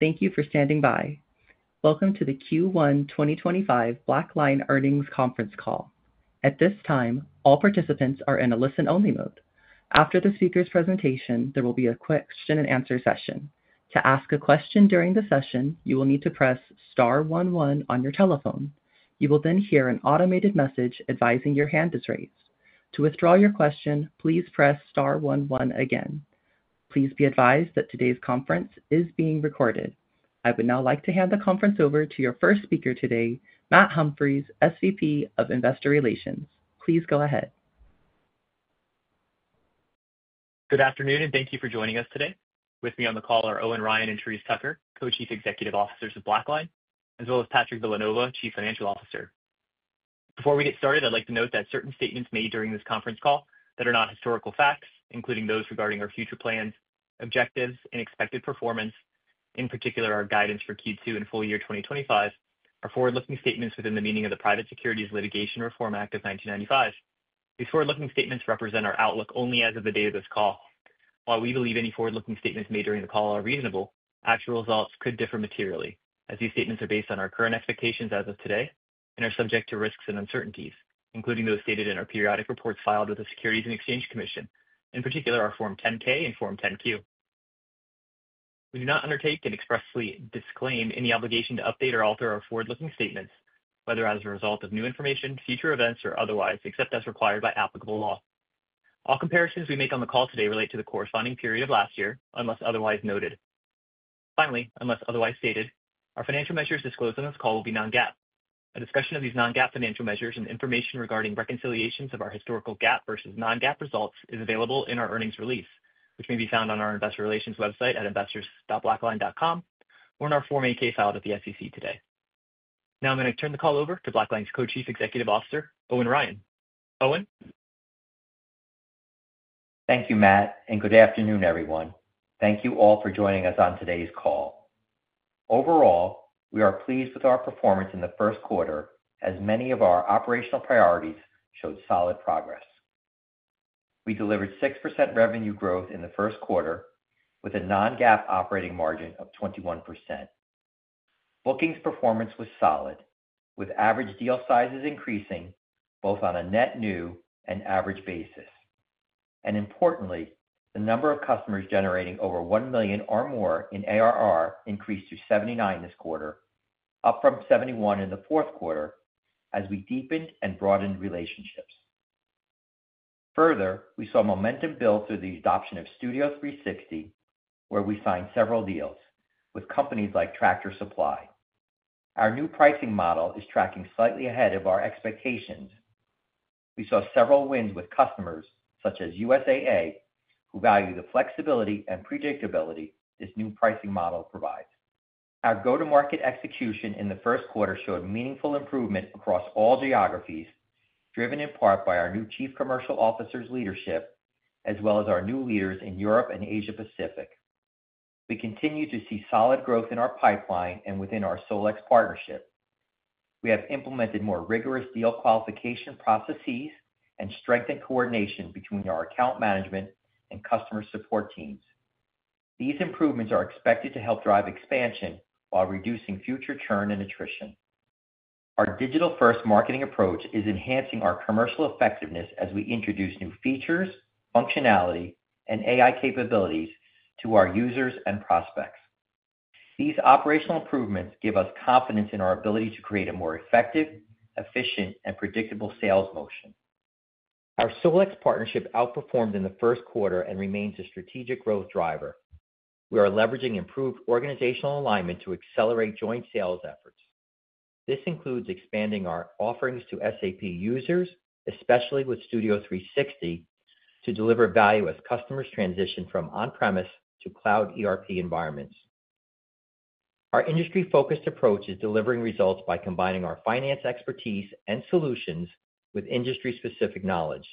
Thank you for standing by. Welcome to the Q1 2025 BlackLine Earnings Conference Call. At this time, all participants are in a listen-only mode. After the speaker's presentation, there will be a question-and-answer session. To ask a question during the session, you will need to press Star 11 on your telephone. You will then hear an automated message advising your hand is raised. To withdraw your question, please press Star 11 again. Please be advised that today's conference is being recorded. I would now like to hand the conference over to your first speaker today, Matt Humphries, SVP of Investor Relations. Please go ahead. Good afternoon, and thank you for joining us today. With me on the call are Owen Ryan and Therese Tucker, Co-Chief Executive Officers of BlackLine, as well as Patrick Villanova, Chief Financial Officer. Before we get started, I'd like to note that certain statements made during this conference call that are not historical facts, including those regarding our future plans, objectives, and expected performance, in particular our guidance for Q2 and full year 2025, are forward-looking statements within the meaning of the Private Securities Litigation Reform Act of 1995. These forward-looking statements represent our outlook only as of the date of this call. While we believe any forward-looking statements made during the call are reasonable, actual results could differ materially. As these statements are based on our current expectations as of today and are subject to risks and uncertainties, including those stated in our periodic reports filed with the Securities and Exchange Commission, in particular our Form 10-K and Form 10-Q. We do not undertake and expressly disclaim any obligation to update or alter our forward-looking statements, whether as a result of new information, future events, or otherwise, except as required by applicable law. All comparisons we make on the call today relate to the corresponding period of last year, unless otherwise noted. Finally, unless otherwise stated, our financial measures disclosed on this call will be non-GAAP. A discussion of these non-GAAP financial measures and information regarding reconciliations of our historical GAAP versus non-GAAP results is available in our earnings release, which may be found on our Investor Relations website at investors.blackline.com or in our Form 8-K filed at the SEC today. Now I'm going to turn the call over to BlackLine's Co-Chief Executive Officer, Owen Ryan. Owen. Thank you, Matt, and good afternoon, everyone. Thank you all for joining us on today's call. Overall, we are pleased with our performance in the first quarter, as many of our operational priorities showed solid progress. We delivered 6% revenue growth in the first quarter, with a non-GAAP operating margin of 21%. Bookings performance was solid, with average deal sizes increasing both on a net new and average basis. Importantly, the number of customers generating over $1 million or more in ARR increased to 79 this quarter, up from 71 in the fourth quarter as we deepened and broadened relationships. Further, we saw momentum build through the adoption of Studio 360, where we signed several deals with companies like Tractor Supply. Our new pricing model is tracking slightly ahead of our expectations. We saw several wins with customers such as USAA, who value the flexibility and predictability this new pricing model provides. Our go-to-market execution in the first quarter showed meaningful improvement across all geographies, driven in part by our new Chief Commercial Officer's leadership, as well as our new leaders in Europe and Asia-Pacific. We continue to see solid growth in our pipeline and within our Solex partnership. We have implemented more rigorous deal qualification processes and strengthened coordination between our account management and customer support teams. These improvements are expected to help drive expansion while reducing future churn and attrition. Our digital-first marketing approach is enhancing our commercial effectiveness as we introduce new features, functionality, and AI capabilities to our users and prospects. These operational improvements give us confidence in our ability to create a more effective, efficient, and predictable sales motion. Our Solex partnership outperformed in the first quarter and remains a strategic growth driver. We are leveraging improved organizational alignment to accelerate joint sales efforts. This includes expanding our offerings to SAP users, especially with Studio 360, to deliver value as customers transition from on-premise to cloud ERP environments. Our industry-focused approach is delivering results by combining our finance expertise and solutions with industry-specific knowledge.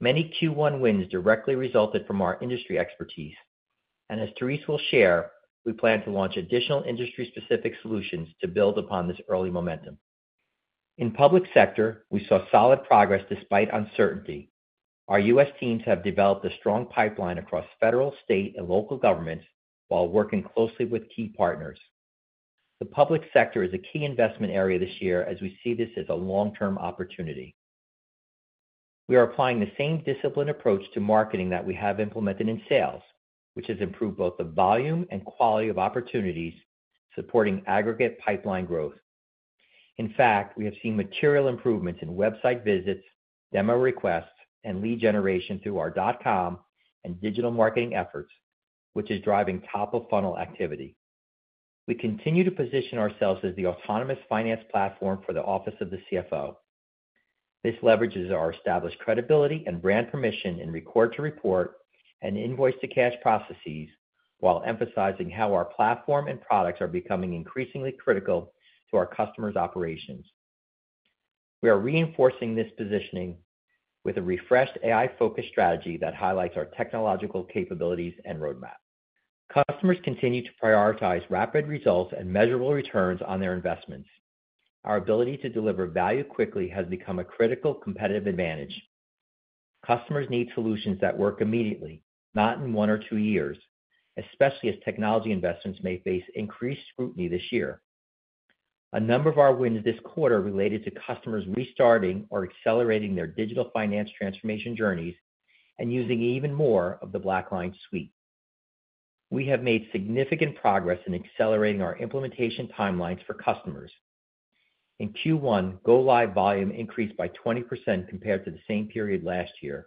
Many Q1 wins directly resulted from our industry expertise. As Therese will share, we plan to launch additional industry-specific solutions to build upon this early momentum. In public sector, we saw solid progress despite uncertainty. Our U.S. teams have developed a strong pipeline across federal, state, and local governments while working closely with key partners. The public sector is a key investment area this year as we see this as a long-term opportunity. We are applying the same disciplined approach to marketing that we have implemented in sales, which has improved both the volume and quality of opportunities, supporting aggregate pipeline growth. In fact, we have seen material improvements in website visits, demo requests, and lead generation through our dot-com and digital marketing efforts, which is driving top-of-funnel activity. We continue to position ourselves as the autonomous finance platform for the Office of the CFO. This leverages our established credibility and brand permission in report-to-report and invoice-to-cash processes while emphasizing how our platform and products are becoming increasingly critical to our customers' operations. We are reinforcing this positioning with a refreshed AI-focused strategy that highlights our technological capabilities and roadmap. Customers continue to prioritize rapid results and measurable returns on their investments. Our ability to deliver value quickly has become a critical competitive advantage. Customers need solutions that work immediately, not in one or two years, especially as technology investments may face increased scrutiny this year. A number of our wins this quarter related to customers restarting or accelerating their digital finance transformation journeys and using even more of the BlackLine suite. We have made significant progress in accelerating our implementation timelines for customers. In Q1, go-live volume increased by 20% compared to the same period last year.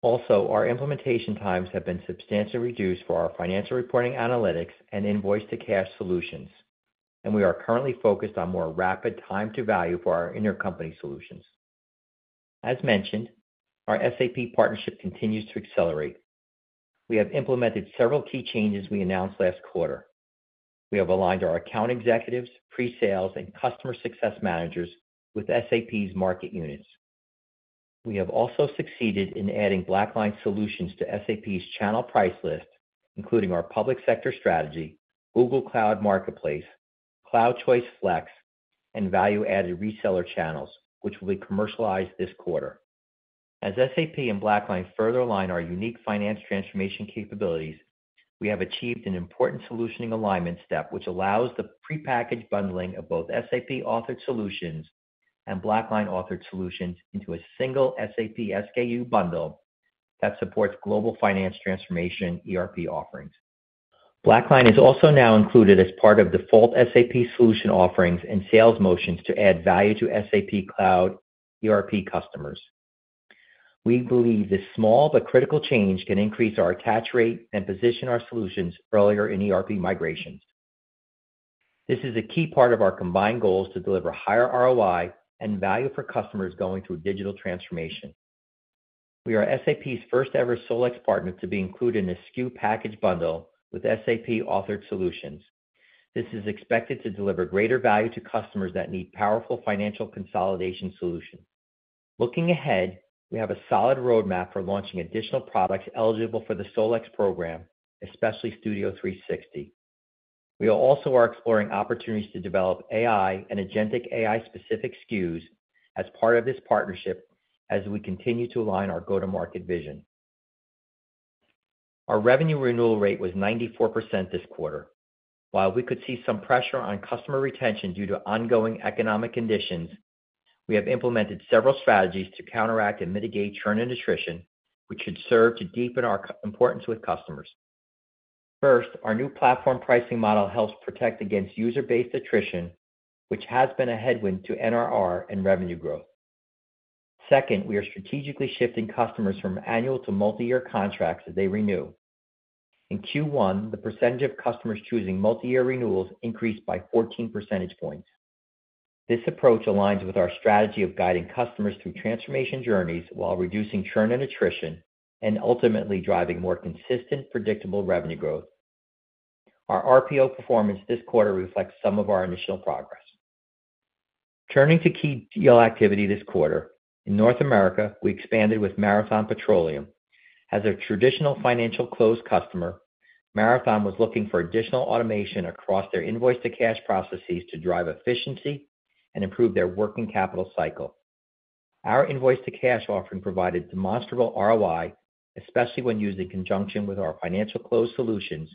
Also, our implementation times have been substantially reduced for our financial reporting analytics and invoice-to-cash solutions, and we are currently focused on more rapid time-to-value for our intercompany solutions. As mentioned, our SAP partnership continues to accelerate. We have implemented several key changes we announced last quarter. We have aligned our account executives, pre-sales, and customer success managers with SAP's market units. We have also succeeded in adding BlackLine solutions to SAP's channel price list, including our public sector strategy, Google Cloud Marketplace, CloudChoice Flex, and value-added reseller channels, which will be commercialized this quarter. As SAP and BlackLine further align our unique finance transformation capabilities, we have achieved an important solutioning alignment step, which allows the pre-packaged bundling of both SAP-authored solutions and BlackLine-authored solutions into a single SAP SKU bundle that supports global finance transformation ERP offerings. BlackLine is also now included as part of default SAP solution offerings and sales motions to add value to SAP Cloud ERP customers. We believe this small but critical change can increase our attach rate and position our solutions earlier in ERP migrations. This is a key part of our combined goals to deliver higher ROI and value for customers going through digital transformation. We are SAP's first-ever Solex partner to be included in a SKU package bundle with SAP-authored solutions. This is expected to deliver greater value to customers that need powerful financial consolidation solutions. Looking ahead, we have a solid roadmap for launching additional products eligible for the Solex program, especially Studio 360. We also are exploring opportunities to develop AI and agentic AI-specific SKUs as part of this partnership as we continue to align our go-to-market vision. Our revenue renewal rate was 94% this quarter. While we could see some pressure on customer retention due to ongoing economic conditions, we have implemented several strategies to counteract and mitigate churn and attrition, which should serve to deepen our importance with customers. First, our new platform pricing model helps protect against user-based attrition, which has been a headwind to NRR and revenue growth. Second, we are strategically shifting customers from annual to multi-year contracts as they renew. In Q1, the percentage of customers choosing multi-year renewals increased by 14 percentage points. This approach aligns with our strategy of guiding customers through transformation journeys while reducing churn and attrition and ultimately driving more consistent, predictable revenue growth. Our RPO performance this quarter reflects some of our initial progress. Turning to key deal activity this quarter, in North America, we expanded with Marathon Petroleum. As a traditional financial close customer, Marathon was looking for additional automation across their invoice-to-cash processes to drive efficiency and improve their working capital cycle. Our invoice-to-cash offering provided demonstrable ROI, especially when used in conjunction with our financial close solutions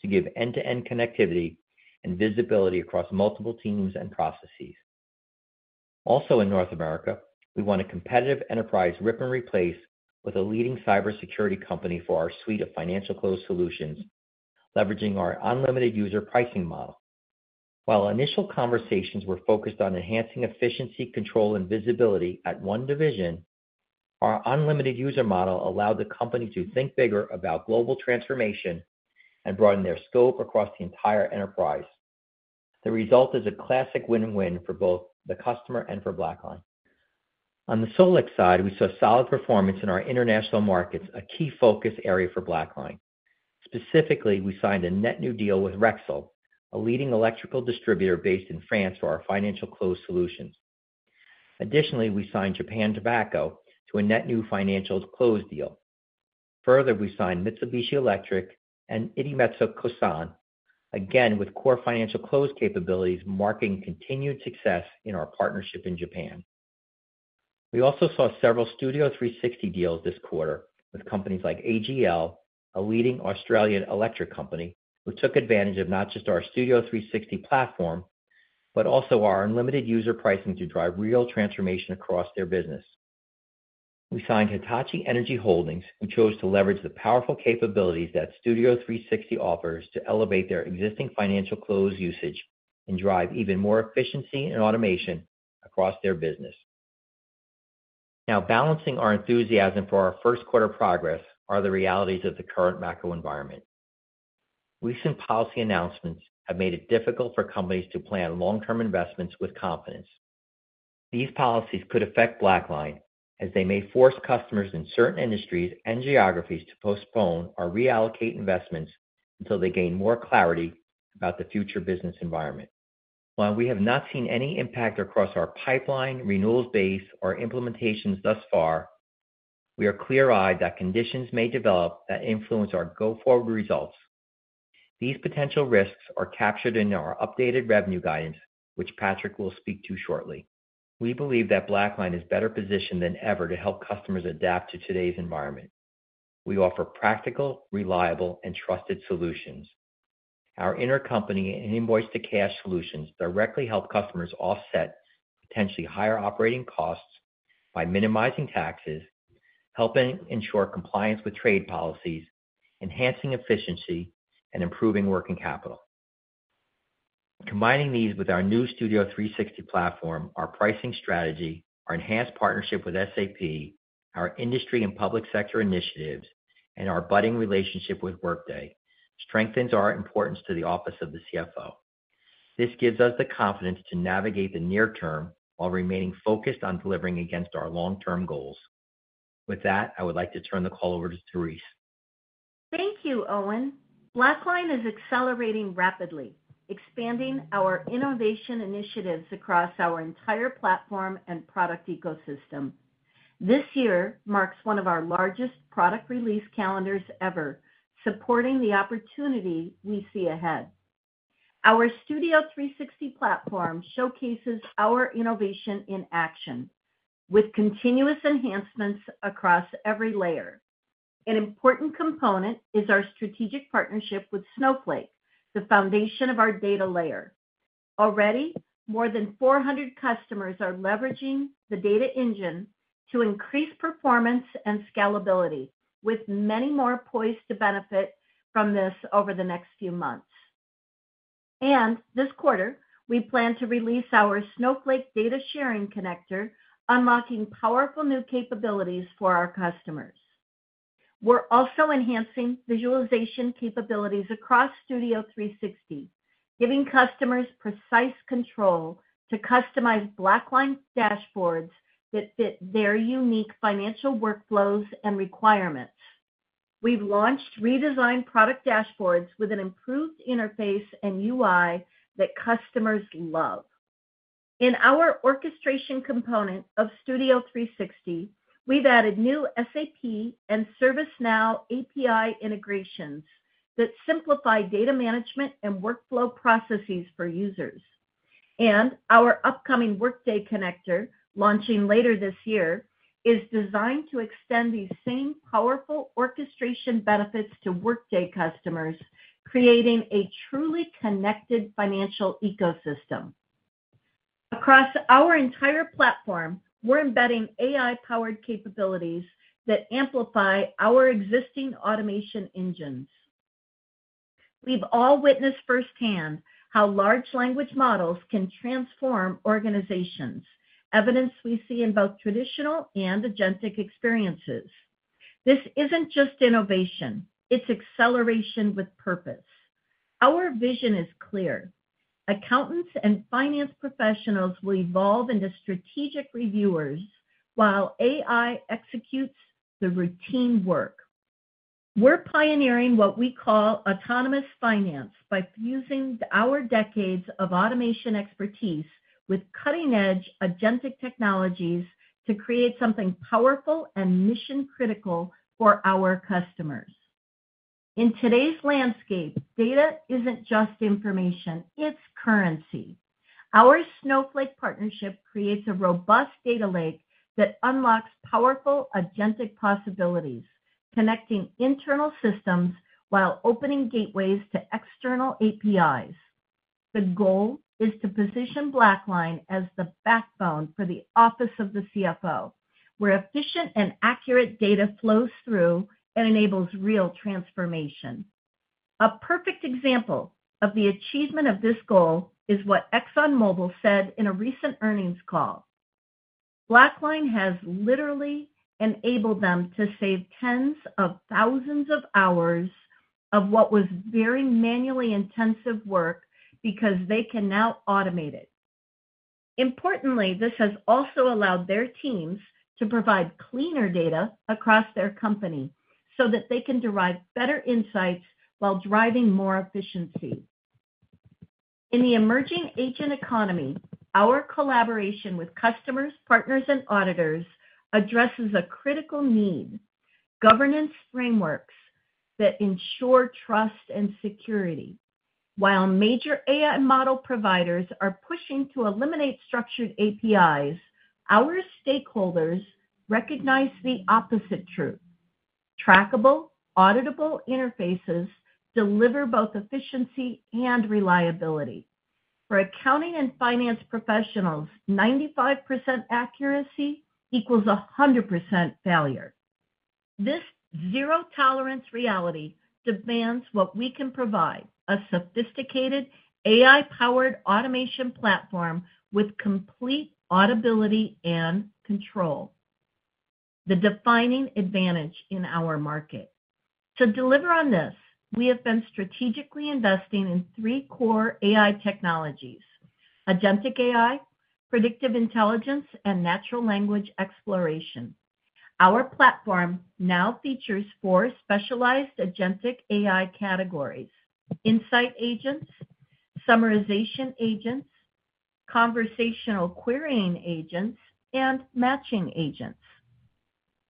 to give end-to-end connectivity and visibility across multiple teams and processes. Also, in North America, we won a competitive enterprise rip-and-replace with a leading cybersecurity company for our suite of financial close solutions, leveraging our unlimited user pricing model. While initial conversations were focused on enhancing efficiency, control, and visibility at one division, our unlimited user model allowed the company to think bigger about global transformation and broaden their scope across the entire enterprise. The result is a classic win-win for both the customer and for BlackLine. On the Solex side, we saw solid performance in our international markets, a key focus area for BlackLine. Specifically, we signed a net new deal with Rexel, a leading electrical distributor based in France for our financial close solutions. Additionally, we signed Japan Tobacco to a net new financial close deal. Further, we signed Mitsubishi Electric and Irimetsu Kusan, again with core financial close capabilities, marking continued success in our partnership in Japan. We also saw several Studio 360 deals this quarter with companies like AGL, a leading Australian electric company, who took advantage of not just our Studio 360 platform, but also our unlimited user pricing to drive real transformation across their business. We signed Hitachi Energy Holdings, who chose to leverage the powerful capabilities that Studio 360 offers to elevate their existing financial close usage and drive even more efficiency and automation across their business. Now, balancing our enthusiasm for our first quarter progress are the realities of the current macro environment. Recent policy announcements have made it difficult for companies to plan long-term investments with confidence. These policies could affect BlackLine, as they may force customers in certain industries and geographies to postpone or reallocate investments until they gain more clarity about the future business environment. While we have not seen any impact across our pipeline, renewals base, or implementations thus far, we are clear-eyed that conditions may develop that influence our go-forward results. These potential risks are captured in our updated revenue guidance, which Patrick will speak to shortly. We believe that BlackLine is better positioned than ever to help customers adapt to today's environment. We offer practical, reliable, and trusted solutions. Our intercompany and invoice-to-cash solutions directly help customers offset potentially higher operating costs by minimizing taxes, helping ensure compliance with trade policies, enhancing efficiency, and improving working capital. Combining these with our new Studio 360 platform, our pricing strategy, our enhanced partnership with SAP, our industry and public sector initiatives, and our budding relationship with Workday strengthens our importance to the Office of the CFO. This gives us the confidence to navigate the near term while remaining focused on delivering against our long-term goals. With that, I would like to turn the call over to Therese. Thank you, Owen. BlackLine is accelerating rapidly, expanding our innovation initiatives across our entire platform and product ecosystem. This year marks one of our largest product release calendars ever, supporting the opportunity we see ahead. Our Studio 360 platform showcases our innovation in action, with continuous enhancements across every layer. An important component is our strategic partnership with Snowflake, the foundation of our data layer. Already, more than 400 customers are leveraging the data engine to increase performance and scalability, with many more poised to benefit from this over the next few months. This quarter, we plan to release our Snowflake data sharing connector, unlocking powerful new capabilities for our customers. We're also enhancing visualization capabilities across Studio 360, giving customers precise control to customize BlackLine dashboards that fit their unique financial workflows and requirements. We've launched redesigned product dashboards with an improved interface and UI that customers love. In our orchestration component of Studio 360, we've added new SAP and ServiceNow API integrations that simplify data management and workflow processes for users. Our upcoming Workday connector, launching later this year, is designed to extend these same powerful orchestration benefits to Workday customers, creating a truly connected financial ecosystem. Across our entire platform, we're embedding AI-powered capabilities that amplify our existing automation engines. We've all witnessed firsthand how large language models can transform organizations, evidence we see in both traditional and agentic experiences. This isn't just innovation. It's acceleration with purpose. Our vision is clear. Accountants and finance professionals will evolve into strategic reviewers while AI executes the routine work. We're pioneering what we call autonomous finance by fusing our decades of automation expertise with cutting-edge agentic technologies to create something powerful and mission-critical for our customers. In today's landscape, data isn't just information; it's currency. Our Snowflake partnership creates a robust data lake that unlocks powerful agentic possibilities, connecting internal systems while opening gateways to external APIs. The goal is to position BlackLine as the backbone for the Office of the CFO, where efficient and accurate data flows through and enables real transformation. A perfect example of the achievement of this goal is what ExxonMobil said in a recent earnings call. BlackLine has literally enabled them to save tens of thousands of hours of what was very manually intensive work because they can now automate it. Importantly, this has also allowed their teams to provide cleaner data across their company so that they can derive better insights while driving more efficiency. In the emerging agent economy, our collaboration with customers, partners, and auditors addresses a critical need: governance frameworks that ensure trust and security. While major AI model providers are pushing to eliminate structured APIs, our stakeholders recognize the opposite truth. Trackable, auditable interfaces deliver both efficiency and reliability. For accounting and finance professionals, 95% accuracy equals 100% failure. This zero-tolerance reality demands what we can provide: a sophisticated AI-powered automation platform with complete audibility and control. The defining advantage in our market. To deliver on this, we have been strategically investing in three core AI technologies: agentic AI, predictive intelligence, and natural language exploration. Our platform now features four specialized agentic AI categories: insight agents, summarization agents, conversational querying agents, and matching agents.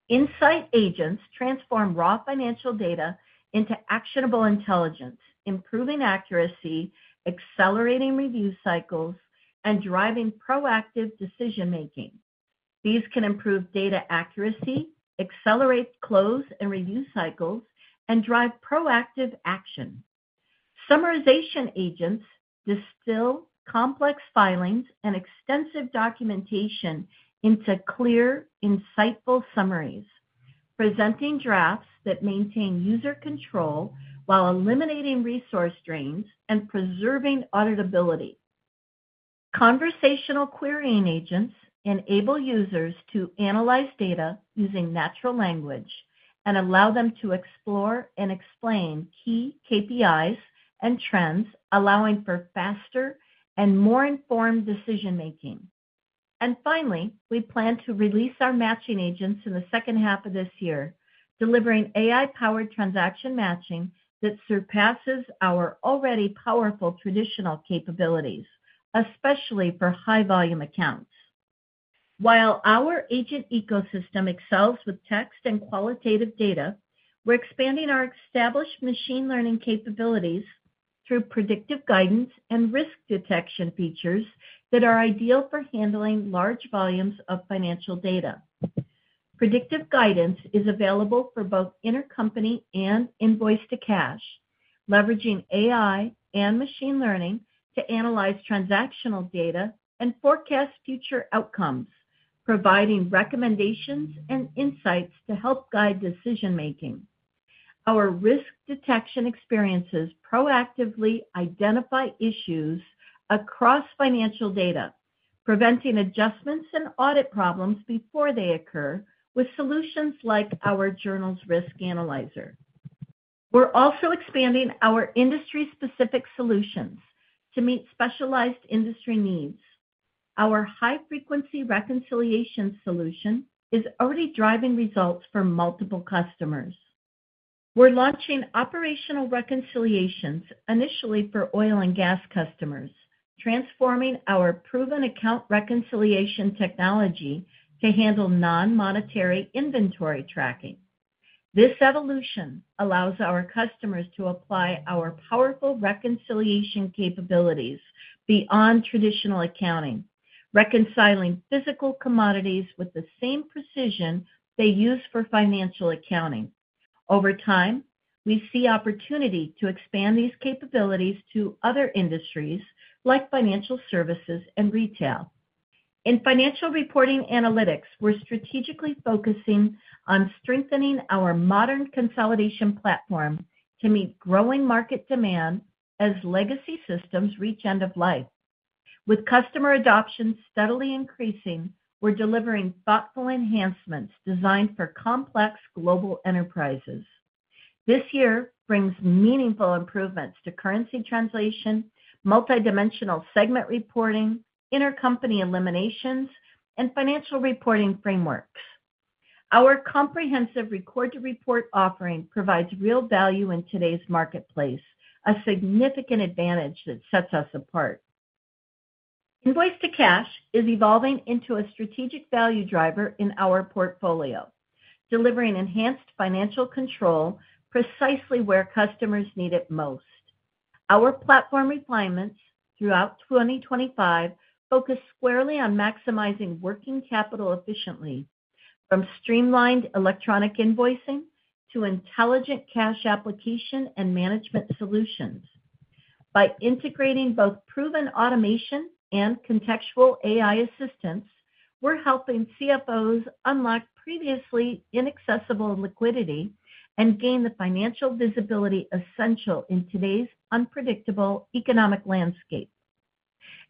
Insight agents transform raw financial data into actionable intelligence, improving accuracy, accelerating review cycles, and driving proactive decision-making. These can improve data accuracy, accelerate close and review cycles, and drive proactive action. Summarization agents distill complex filings and extensive documentation into clear, insightful summaries, presenting drafts that maintain user control while eliminating resource drains and preserving auditability. Conversational querying agents enable users to analyze data using natural language and allow them to explore and explain key KPIs and trends, allowing for faster and more informed decision-making. We plan to release our matching agents in the second half of this year, delivering AI-powered transaction matching that surpasses our already powerful traditional capabilities, especially for high-volume accounts. While our agent ecosystem excels with text and qualitative data, we're expanding our established machine learning capabilities through predictive guidance and risk detection features that are ideal for handling large volumes of financial data. Predictive guidance is available for both intercompany and invoice-to-cash, leveraging AI and machine learning to analyze transactional data and forecast future outcomes, providing recommendations and insights to help guide decision-making. Our risk detection experiences proactively identify issues across financial data, preventing adjustments and audit problems before they occur with solutions like our journals risk analyzer. We're also expanding our industry-specific solutions to meet specialized industry needs. Our high-frequency reconciliation solution is already driving results for multiple customers. We're launching operational reconciliations initially for oil and gas customers, transforming our proven account reconciliation technology to handle non-monetary inventory tracking. This evolution allows our customers to apply our powerful reconciliation capabilities beyond traditional accounting, reconciling physical commodities with the same precision they use for financial accounting. Over time, we see opportunity to expand these capabilities to other industries like financial services and retail. In Financial Reporting Analytics, we're strategically focusing on strengthening our modern consolidation platform to meet growing market demand as legacy systems reach end of life. With customer adoption steadily increasing, we're delivering thoughtful enhancements designed for complex global enterprises. This year brings meaningful improvements to currency translation, multidimensional segment reporting, intercompany eliminations, and financial reporting frameworks. Our comprehensive record-to-report offering provides real value in today's marketplace, a significant advantage that sets us apart. Invoice-to-Cash is evolving into a strategic value driver in our portfolio, delivering enhanced financial control precisely where customers need it most. Our platform refinements throughout 2025 focus squarely on maximizing working capital efficiently, from streamlined electronic invoicing to intelligent cash application and management solutions. By integrating both proven automation and contextual AI assistance, we're helping CFOs unlock previously inaccessible liquidity and gain the financial visibility essential in today's unpredictable economic landscape.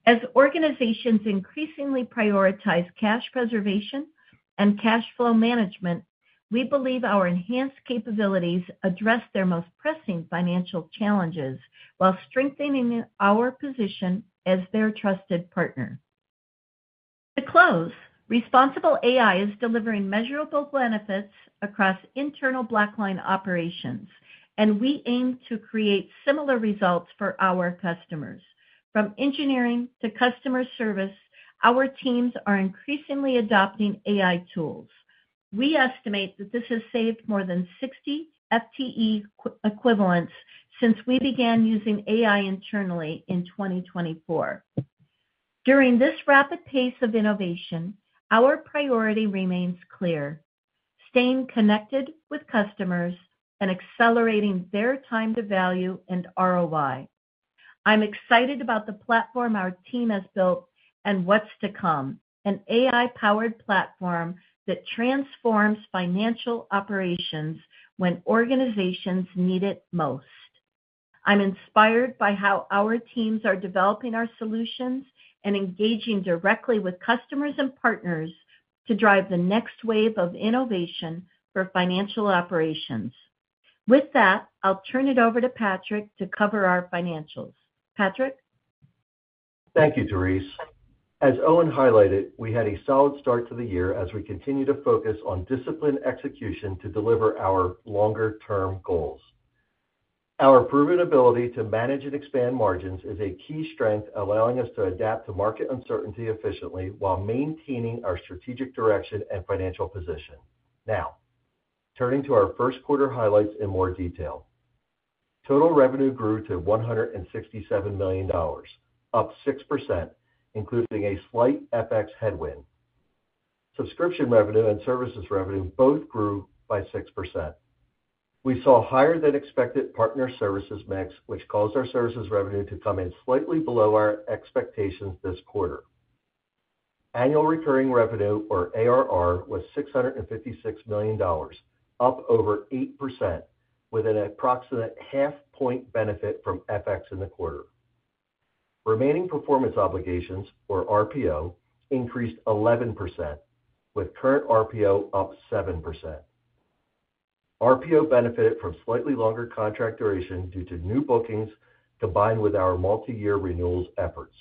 As organizations increasingly prioritize cash preservation and cash flow management, we believe our enhanced capabilities address their most pressing financial challenges while strengthening our position as their trusted partner. To close, responsible AI is delivering measurable benefits across internal BlackLine operations, and we aim to create similar results for our customers. From engineering to customer service, our teams are increasingly adopting AI tools. We estimate that this has saved more than 60 FTE equivalents since we began using AI internally in 2024. During this rapid pace of innovation, our priority remains clear: staying connected with customers and accelerating their time to value and ROI. I'm excited about the platform our team has built and what's to come, an AI-powered platform that transforms financial operations when organizations need it most. I'm inspired by how our teams are developing our solutions and engaging directly with customers and partners to drive the next wave of innovation for financial operations. With that, I'll turn it over to Patrick to cover our financials. Patrick? Thank you, Therese. As Owen highlighted, we had a solid start to the year as we continue to focus on disciplined execution to deliver our longer-term goals. Our proven ability to manage and expand margins is a key strength, allowing us to adapt to market uncertainty efficiently while maintaining our strategic direction and financial position. Now, turning to our first quarter highlights in more detail. Total revenue grew to $167 million, up 6%, including a slight FX headwind. Subscription revenue and services revenue both grew by 6%. We saw higher-than-expected partner services mix, which caused our services revenue to come in slightly below our expectations this quarter. Annual recurring revenue, or ARR, was $656 million, up over 8%, with an approximate half-point benefit from FX in the quarter. Remaining performance obligations, or RPO, increased 11%, with current RPO up 7%. RPO benefited from slightly longer contract duration due to new bookings combined with our multi-year renewals efforts.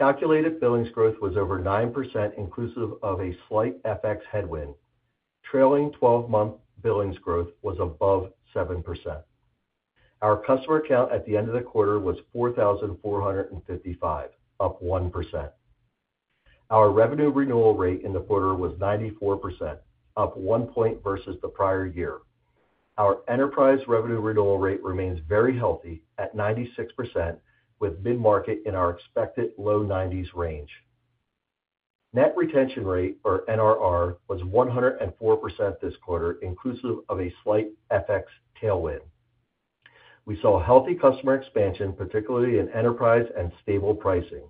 Calculated billings growth was over 9%, inclusive of a slight FX headwind. Trailing 12-month billings growth was above 7%. Our customer account at the end of the quarter was 4,455, up 1%. Our revenue renewal rate in the quarter was 94%, up one point versus the prior year. Our enterprise revenue renewal rate remains very healthy at 96%, with mid-market in our expected low 90% range. Net retention rate, or NRR, was 104% this quarter, inclusive of a slight FX tailwind. We saw healthy customer expansion, particularly in enterprise and stable pricing.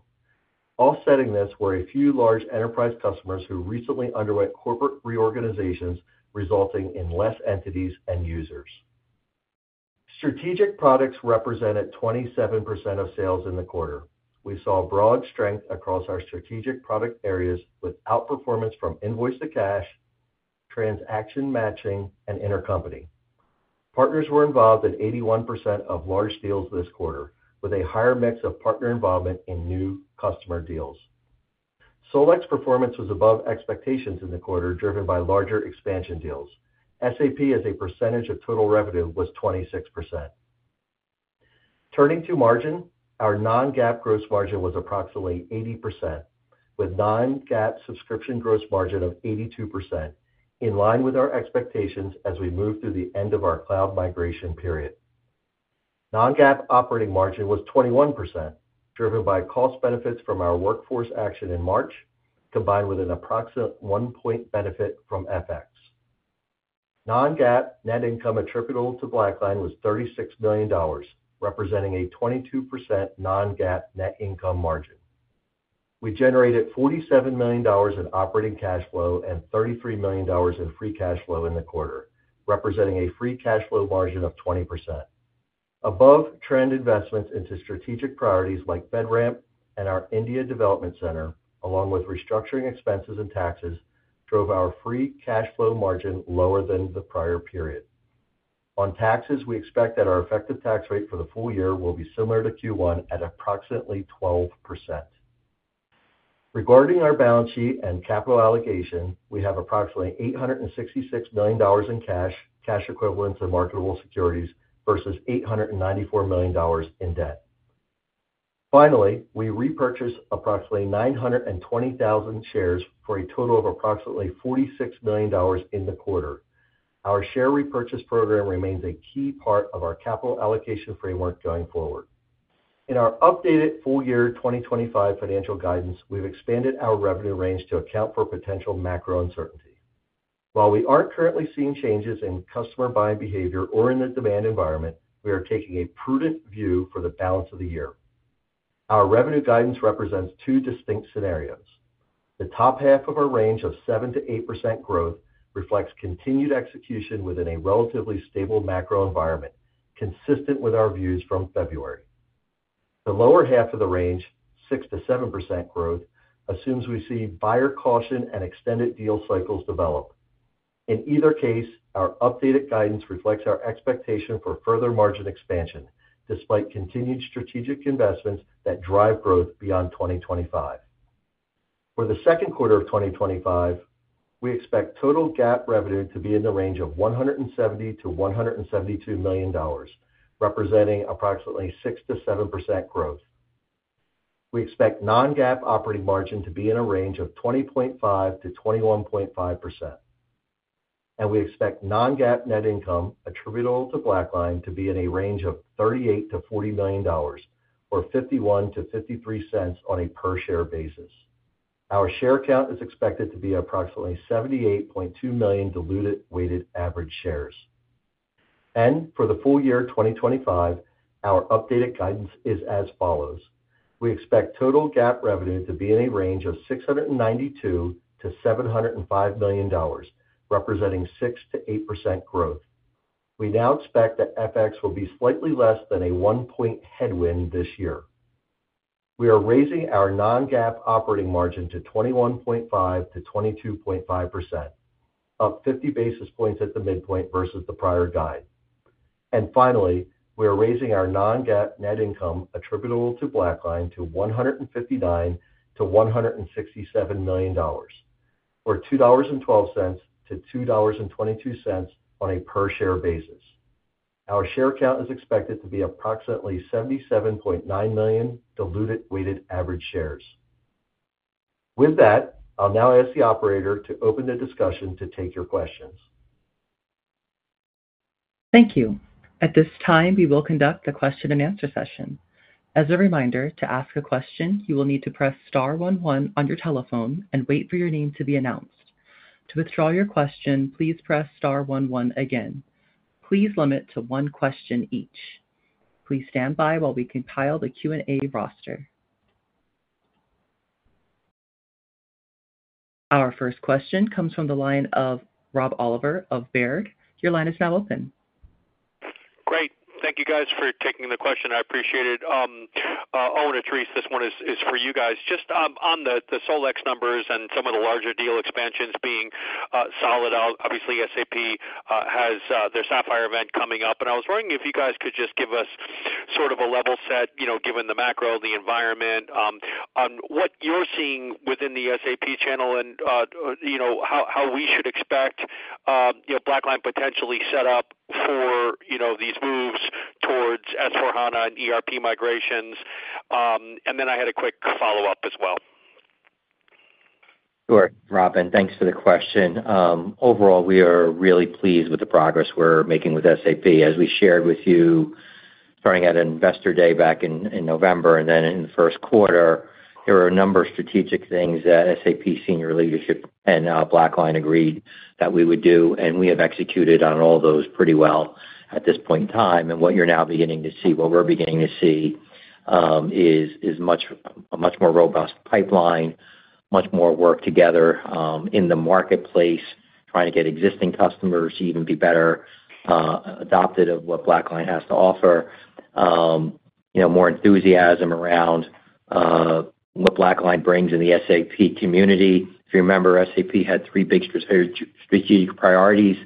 Offsetting this were a few large enterprise customers who recently underwent corporate reorganizations, resulting in fewer entities and users. Strategic products represented 27% of sales in the quarter. We saw broad strength across our strategic product areas with outperformance from invoice-to-cash, transaction matching, and intercompany. Partners were involved in 81% of large deals this quarter, with a higher mix of partner involvement in new customer deals. Solex performance was above expectations in the quarter, driven by larger expansion deals. SAP as a percentage of total revenue was 26%. Turning to margin, our non-GAAP gross margin was approximately 80%, with non-GAAP subscription gross margin of 82%, in line with our expectations as we move through the end of our cloud migration period. Non-GAAP operating margin was 21%, driven by cost benefits from our workforce action in March, combined with an approximate one-point benefit from FX. Non-GAAP net income attributable to BlackLine was $36 million, representing a 22% non-GAAP net income margin. We generated $47 million in operating cash flow and $33 million in free cash flow in the quarter, representing a free cash flow margin of 20%. Above-trend investments into strategic priorities like FedRAMP and our India Development Center, along with restructuring expenses and taxes, drove our free cash flow margin lower than the prior period. On taxes, we expect that our effective tax rate for the full year will be similar to Q1 at approximately 12%. Regarding our balance sheet and capital allocation, we have approximately $866 million in cash, cash equivalents and marketable securities, versus $894 million in debt. Finally, we repurchased approximately 920,000 shares for a total of approximately $46 million in the quarter. Our share repurchase program remains a key part of our capital allocation framework going forward. In our updated full year 2025 financial guidance, we've expanded our revenue range to account for potential macro uncertainty. While we aren't currently seeing changes in customer buying behavior or in the demand environment, we are taking a prudent view for the balance of the year. Our revenue guidance represents two distinct scenarios. The top half of our range of 7%-8% growth reflects continued execution within a relatively stable macro environment, consistent with our views from February. The lower half of the range, 6%-7% growth, assumes we see buyer caution and extended deal cycles develop. In either case, our updated guidance reflects our expectation for further margin expansion, despite continued strategic investments that drive growth beyond 2025. For the second quarter of 2025, we expect total GAAP revenue to be in the range of $170 million-$172 million, representing approximately 6%-7% growth. We expect non-GAAP operating margin to be in a range of 20.5%-21.5%. We expect non-GAAP net income attributable to BlackLine to be in a range of $38 million-$40 million, or $0.51-$0.53 on a per-share basis. Our share count is expected to be approximately 78.2 million diluted weighted average shares. For the full year 2025, our updated guidance is as follows. We expect total GAAP revenue to be in a range of $692 million-$705 million, representing 6%-8% growth. We now expect that FX will be slightly less than a one-point headwind this year. We are raising our non-GAAP operating margin to 21.5%-22.5%, up 50 basis points at the midpoint versus the prior guide. Finally, we are raising our non-GAAP net income attributable to BlackLine to $159 million-$167 million, or $2.12-$2.22 on a per-share basis. Our share count is expected to be approximately 77.9 million diluted weighted average shares. With that, I'll now ask the operator to open the discussion to take your questions. Thank you. At this time, we will conduct the question and answer session. As a reminder, to ask a question, you will need to press star 11 on your telephone and wait for your name to be announced. To withdraw your question, please press star 11 again. Please limit to one question each. Please stand by while we compile the Q&A roster. Our first question comes from the line of Rob Oliver of Baird. Your line is now open. Great. Thank you, guys, for taking the question. I appreciate it. Owen or Therese, this one is for you guys. Just on the Solex numbers and some of the larger deal expansions being solid, obviously SAP has their Sapphire event coming up. I was wondering if you guys could just give us sort of a level set, given the macro, the environment, on what you're seeing within the SAP channel and how we should expect BlackLine potentially set up for these moves towards S/4HANA and ERP migrations. I had a quick follow-up as well. Sure, Robin. Thanks for the question. Overall, we are really pleased with the progress we're making with SAP. As we shared with you starting at Investor Day back in November and then in the first quarter, there were a number of strategic things that SAP senior leadership and BlackLine agreed that we would do, and we have executed on all those pretty well at this point in time. What you're now beginning to see, what we're beginning to see, is a much more robust pipeline, much more work together in the marketplace, trying to get existing customers to even be better adopted of what BlackLine has to offer, more enthusiasm around what BlackLine brings in the SAP community. If you remember, SAP had three big strategic priorities.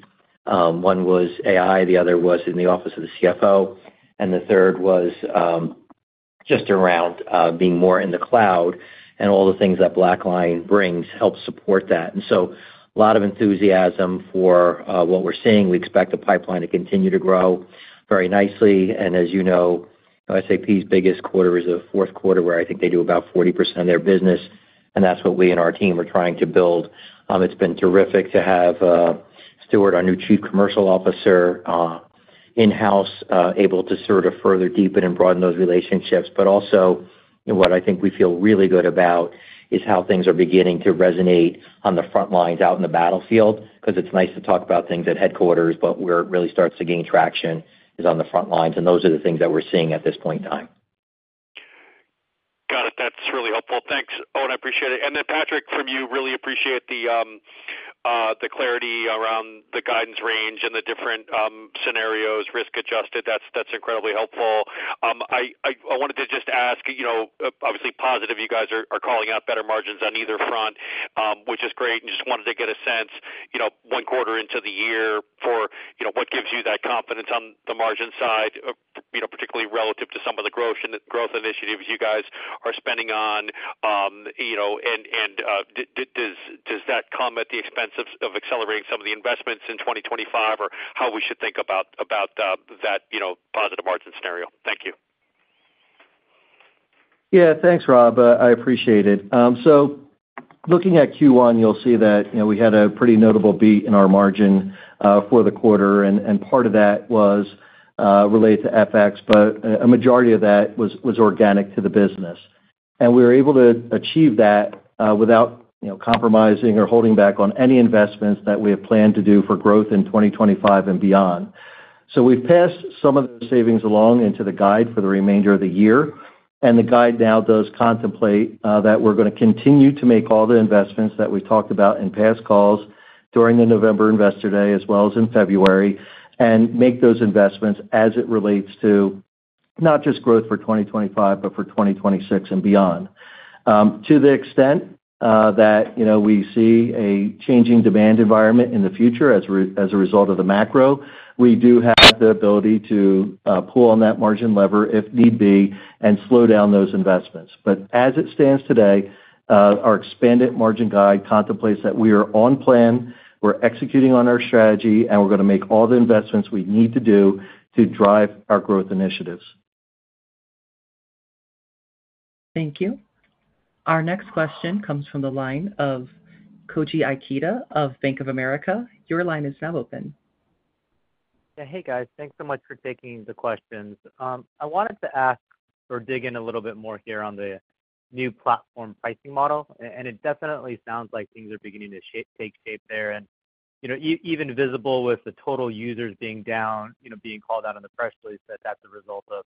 One was AI, the other was in the office of the CFO, and the third was just around being more in the cloud. All the things that BlackLine brings help support that. A lot of enthusiasm for what we're seeing. We expect the pipeline to continue to grow very nicely. As you know, SAP's biggest quarter is the fourth quarter where I think they do about 40% of their business, and that's what we and our team are trying to build. It's been terrific to have Stuart, our new Chief Commercial Officer, in-house, able to sort of further deepen and broaden those relationships. What I think we feel really good about is how things are beginning to resonate on the front lines out in the battlefield, because it's nice to talk about things at headquarters, but where it really starts to gain traction is on the front lines. Those are the things that we're seeing at this point in time. Got it. That's really helpful. Thanks, Owen. I appreciate it. Patrick, from you, really appreciate the clarity around the guidance range and the different scenarios, risk-adjusted. That's incredibly helpful. I wanted to just ask, obviously positive, you guys are calling out better margins on either front, which is great. Just wanted to get a sense one quarter into the year for what gives you that confidence on the margin side, particularly relative to some of the growth initiatives you guys are spending on. Does that come at the expense of accelerating some of the investments in 2025, or how we should think about that positive margin scenario? Thank you. Yeah, thanks, Rob. I appreciate it. Looking at Q1, you'll see that we had a pretty notable beat in our margin for the quarter. Part of that was related to FX, but a majority of that was organic to the business. We were able to achieve that without compromising or holding back on any investments that we have planned to do for growth in 2025 and beyond. We've passed some of the savings along into the guide for the remainder of the year. The guide now does contemplate that we're going to continue to make all the investments that we've talked about in past calls during the November Investor Day, as well as in February, and make those investments as it relates to not just growth for 2025, but for 2026 and beyond. To the extent that we see a changing demand environment in the future as a result of the macro, we do have the ability to pull on that margin lever if need be and slow down those investments. As it stands today, our expanded margin guide contemplates that we are on plan, we're executing on our strategy, and we're going to make all the investments we need to do to drive our growth initiatives. Thank you. Our next question comes from the line of Koji Ikeda of Bank of America. Your line is now open. Yeah, hey, guys. Thanks so much for taking the questions. I wanted to ask or dig in a little bit more here on the new platform pricing model. It definitely sounds like things are beginning to take shape there. It is even visible with the total users being down, being called out on the press release that that's a result of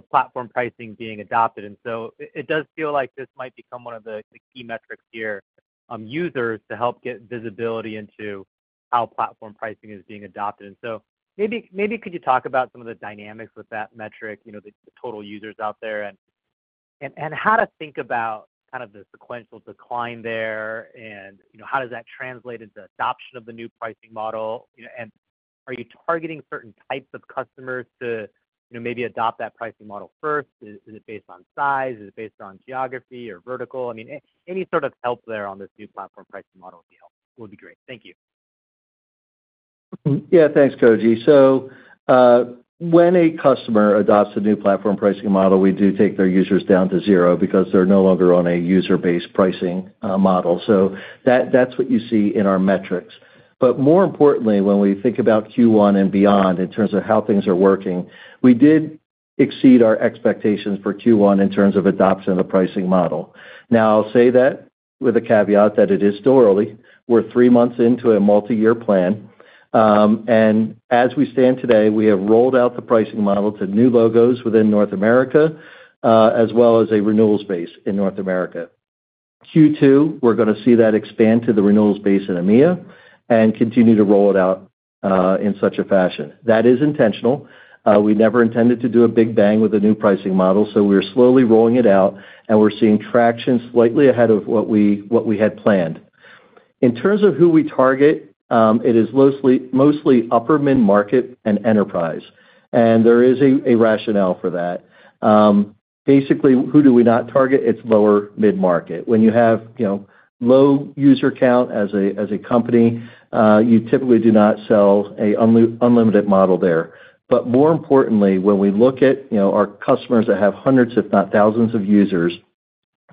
platform pricing being adopted. It does feel like this might become one of the key metrics here, users, to help get visibility into how platform pricing is being adopted. Maybe could you talk about some of the dynamics with that metric, the total users out there, and how to think about kind of the sequential decline there, and how does that translate into adoption of the new pricing model? Are you targeting certain types of customers to maybe adopt that pricing model first? Is it based on size? Is it based on geography or vertical? I mean, any sort of help there on this new platform pricing model would be great. Thank you. Yeah, thanks, Koji. So when a customer adopts a new platform pricing model, we do take their users down to zero because they're no longer on a user-based pricing model. That's what you see in our metrics. More importantly, when we think about Q1 and beyond in terms of how things are working, we did exceed our expectations for Q1 in terms of adoption of the pricing model. I'll say that with a caveat that it is still early. We're three months into a multi-year plan. As we stand today, we have rolled out the pricing model to new logos within North America, as well as a renewals base in North America. Q2, we're going to see that expand to the renewals base in EMEA and continue to roll it out in such a fashion. That is intentional. We never intended to do a big bang with a new pricing model. We're slowly rolling it out, and we're seeing traction slightly ahead of what we had planned. In terms of who we target, it is mostly upper mid-market and enterprise. There is a rationale for that. Basically, who do we not target? It's lower mid-market. When you have low user count as a company, you typically do not sell an unlimited model there. More importantly, when we look at our customers that have hundreds, if not thousands, of users,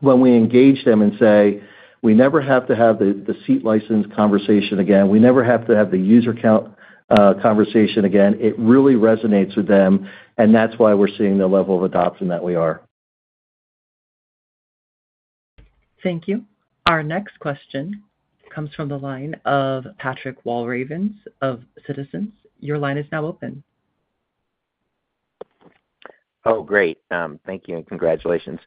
when we engage them and say, "We never have to have the seat license conversation again. We never have to have the user count conversation again," it really resonates with them. That is why we are seeing the level of adoption that we are. Thank you. Our next question comes from the line of Patrick Walravens of Citizens. Your line is now open. Oh, great. Thank you and congratulations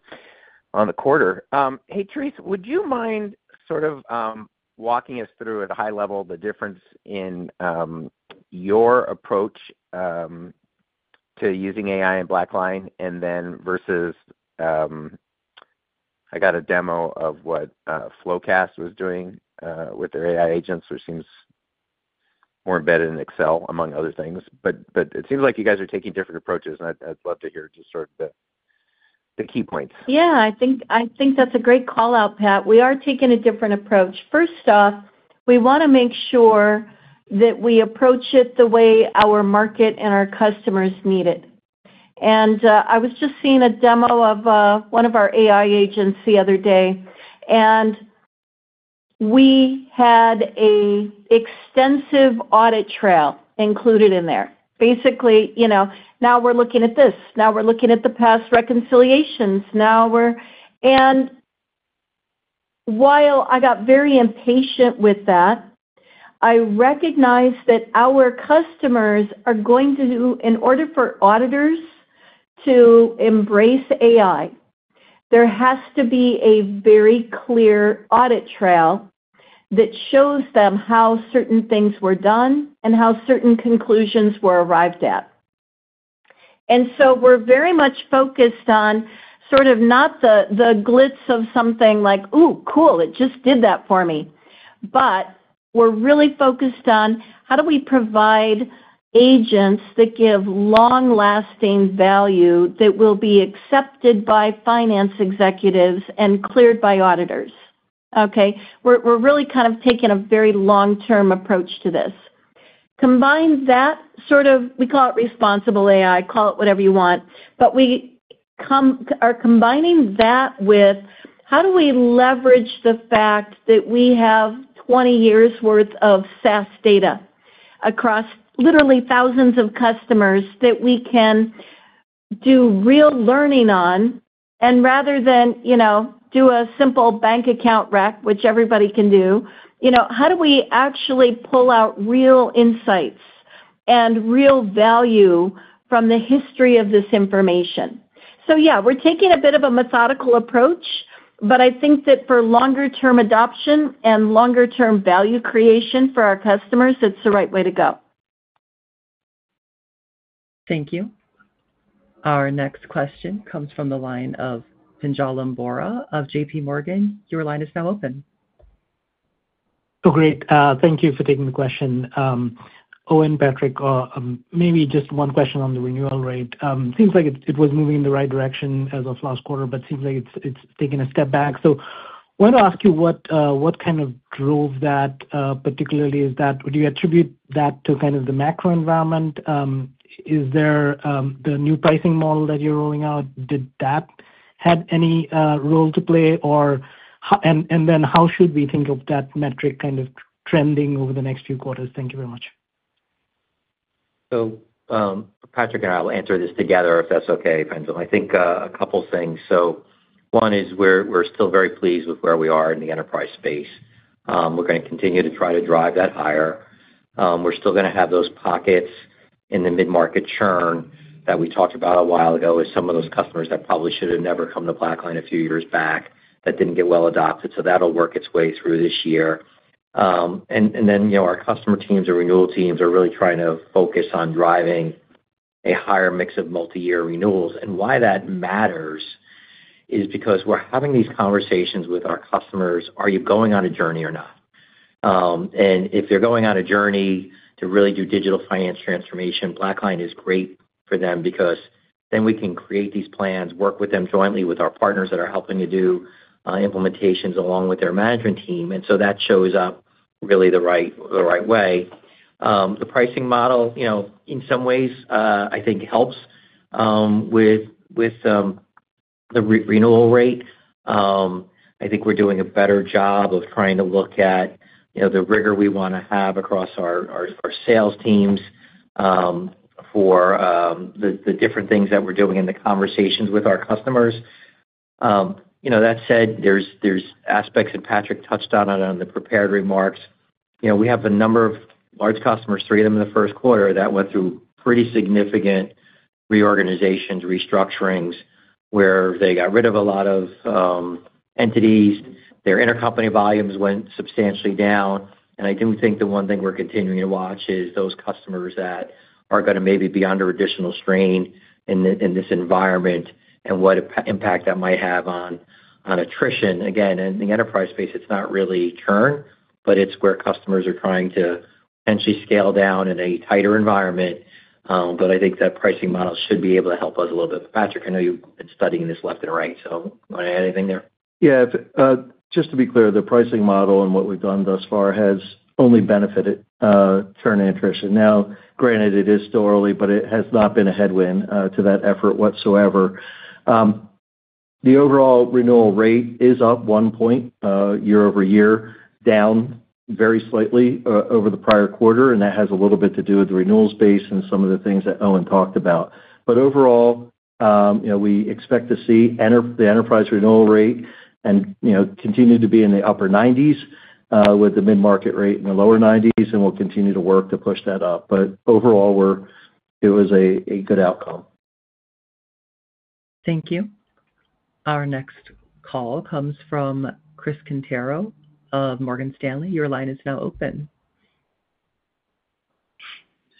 on the quarter. Hey, Therese, would you mind sort of walking us through, at a high level, the difference in your approach to using AI in BlackLine versus I got a demo of what Flowcast was doing with their AI agents, which seems more embedded in Excel, among other things. It seems like you guys are taking different approaches. I would love to hear just sort of the key points. Yeah, I think that is a great call-out, Pat. We are taking a different approach. First off, we want to make sure that we approach it the way our market and our customers need it. I was just seeing a demo of one of our AI agents the other day. We had an extensive audit trail included in there. Basically, now we're looking at this. Now we're looking at the past reconciliations. While I got very impatient with that, I recognize that our customers are going to, in order for auditors to embrace AI, there has to be a very clear audit trail that shows them how certain things were done and how certain conclusions were arrived at. We're very much focused on sort of not the glitz of something like, "Ooh, cool, it just did that for me." We're really focused on how do we provide agents that give long-lasting value that will be accepted by finance executives and cleared by auditors. Okay? We're really kind of taking a very long-term approach to this. Combine that sort of, we call it responsible AI, call it whatever you want, but we are combining that with how do we leverage the fact that we have 20 years' worth of SaaS data across literally thousands of customers that we can do real learning on? Rather than do a simple bank account rec, which everybody can do, how do we actually pull out real insights and real value from the history of this information? Yeah, we're taking a bit of a methodical approach, but I think that for longer-term adoption and longer-term value creation for our customers, it's the right way to go. Thank you. Our next question comes from the line of Pinjalim Bora of JP Morgan. Your line is now open. Oh, great. Thank you for taking the question. Owen, Patrick, maybe just one question on the renewal rate. Seems like it was moving in the right direction as of last quarter, but seems like it's taken a step back. I wanted to ask you what kind of drove that particularly. Would you attribute that to kind of the macro environment? Is there the new pricing model that you're rolling out? Did that have any role to play? How should we think of that metric kind of trending over the next few quarters? Thank you very much. Patrick and I will answer this together, if that's okay, Panjalan. I think a couple of things. One is we're still very pleased with where we are in the enterprise space. We're going to continue to try to drive that higher. We're still going to have those pockets in the mid-market churn that we talked about a while ago as some of those customers that probably should have never come to BlackLine a few years back that didn't get well adopted. That'll work its way through this year. Our customer teams or renewal teams are really trying to focus on driving a higher mix of multi-year renewals. Why that matters is because we're having these conversations with our customers. Are you going on a journey or not? If they're going on a journey to really do digital finance transformation, BlackLine is great for them because then we can create these plans, work with them jointly with our partners that are helping to do implementations along with their management team. That shows up really the right way. The pricing model, in some ways, I think helps with the renewal rate. I think we're doing a better job of trying to look at the rigor we want to have across our sales teams for the different things that we're doing in the conversations with our customers. That said, there are aspects that Patrick touched on in the prepared remarks. We have a number of large customers, three of them in the first quarter, that went through pretty significant reorganizations, restructurings, where they got rid of a lot of entities. Their intercompany volumes went substantially down. I do think the one thing we're continuing to watch is those customers that are going to maybe be under additional strain in this environment and what impact that might have on attrition. Again, in the enterprise space, it's not really churn, but it's where customers are trying to potentially scale down in a tighter environment. I think that pricing model should be able to help us a little bit. Patrick, I know you've been studying this left and right. Anything there? Yeah. Just to be clear, the pricing model and what we've done thus far has only benefited churn and attrition. Now, granted, it is still early, but it has not been a headwind to that effort whatsoever. The overall renewal rate is up one point year over year, down very slightly over the prior quarter. That has a little bit to do with the renewals base and some of the things that Owen talked about. Overall, we expect to see the enterprise renewal rate continue to be in the upper 90% with the mid-market rate in the lower 90%. We will continue to work to push that up. Overall, it was a good outcome. Thank you. Our next call comes from Chris Quintero of Morgan Stanley. Your line is now open.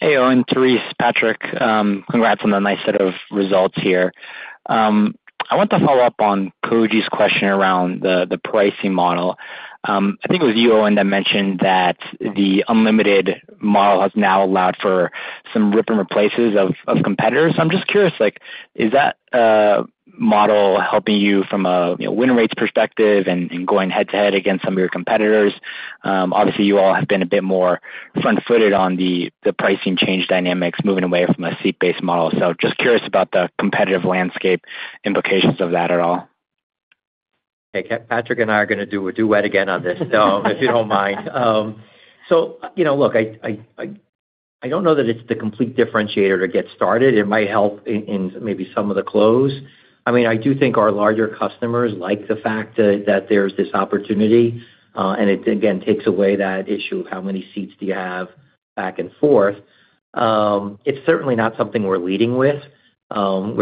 Hey, Owen, Therese, Patrick. Congrats on the nice set of results here. I want to follow up on Koji's question around the pricing model. I think it was you, Owen, that mentioned that the unlimited model has now allowed for some rip and replaces of competitors. I am just curious, is that model helping you from a win rates perspective and going head-to-head against some of your competitors? Obviously, you all have been a bit more front-footed on the pricing change dynamics, moving away from a seat-based model. Just curious about the competitive landscape implications of that at all. Patrick and I are going to do that again on this, if you do not mind. Look, I do not know that it is the complete differentiator to get started. It might help in maybe some of the close. I mean, I do think our larger customers like the fact that there is this opportunity. It, again, takes away that issue of how many seats do you have back and forth. It is certainly not something we are leading with. Our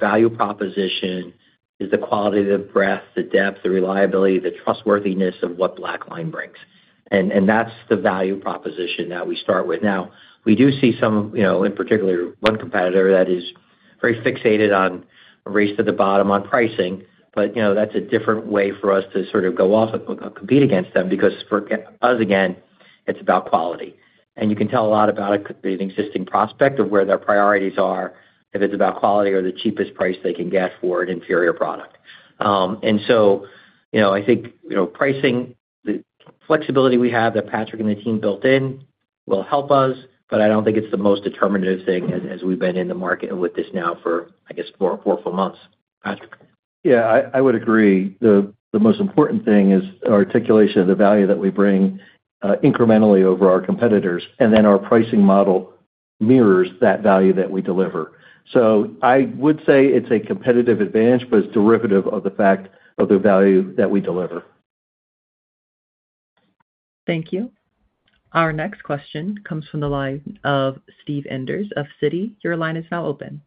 value proposition is the quality, the breadth, the depth, the reliability, the trustworthiness of what BlackLine brings. That is the value proposition that we start with. Now, we do see some, in particular, one competitor that is very fixated on race to the bottom on pricing. That is a different way for us to sort of go off and compete against them because for us, again, it is about quality. You can tell a lot about an existing prospect of where their priorities are if it is about quality or the cheapest price they can get for an inferior product. I think pricing, the flexibility we have that Patrick and the team built in will help us, but I do not think it is the most determinative thing as we have been in the market with this now for, I guess, four full months. Patrick? Yeah, I would agree. The most important thing is articulation of the value that we bring incrementally over our competitors. Our pricing model mirrors that value that we deliver. I would say it's a competitive advantage, but it's derivative of the fact of the value that we deliver. Thank you. Our next question comes from the line of Steve Enders of Citi. Your line is now open.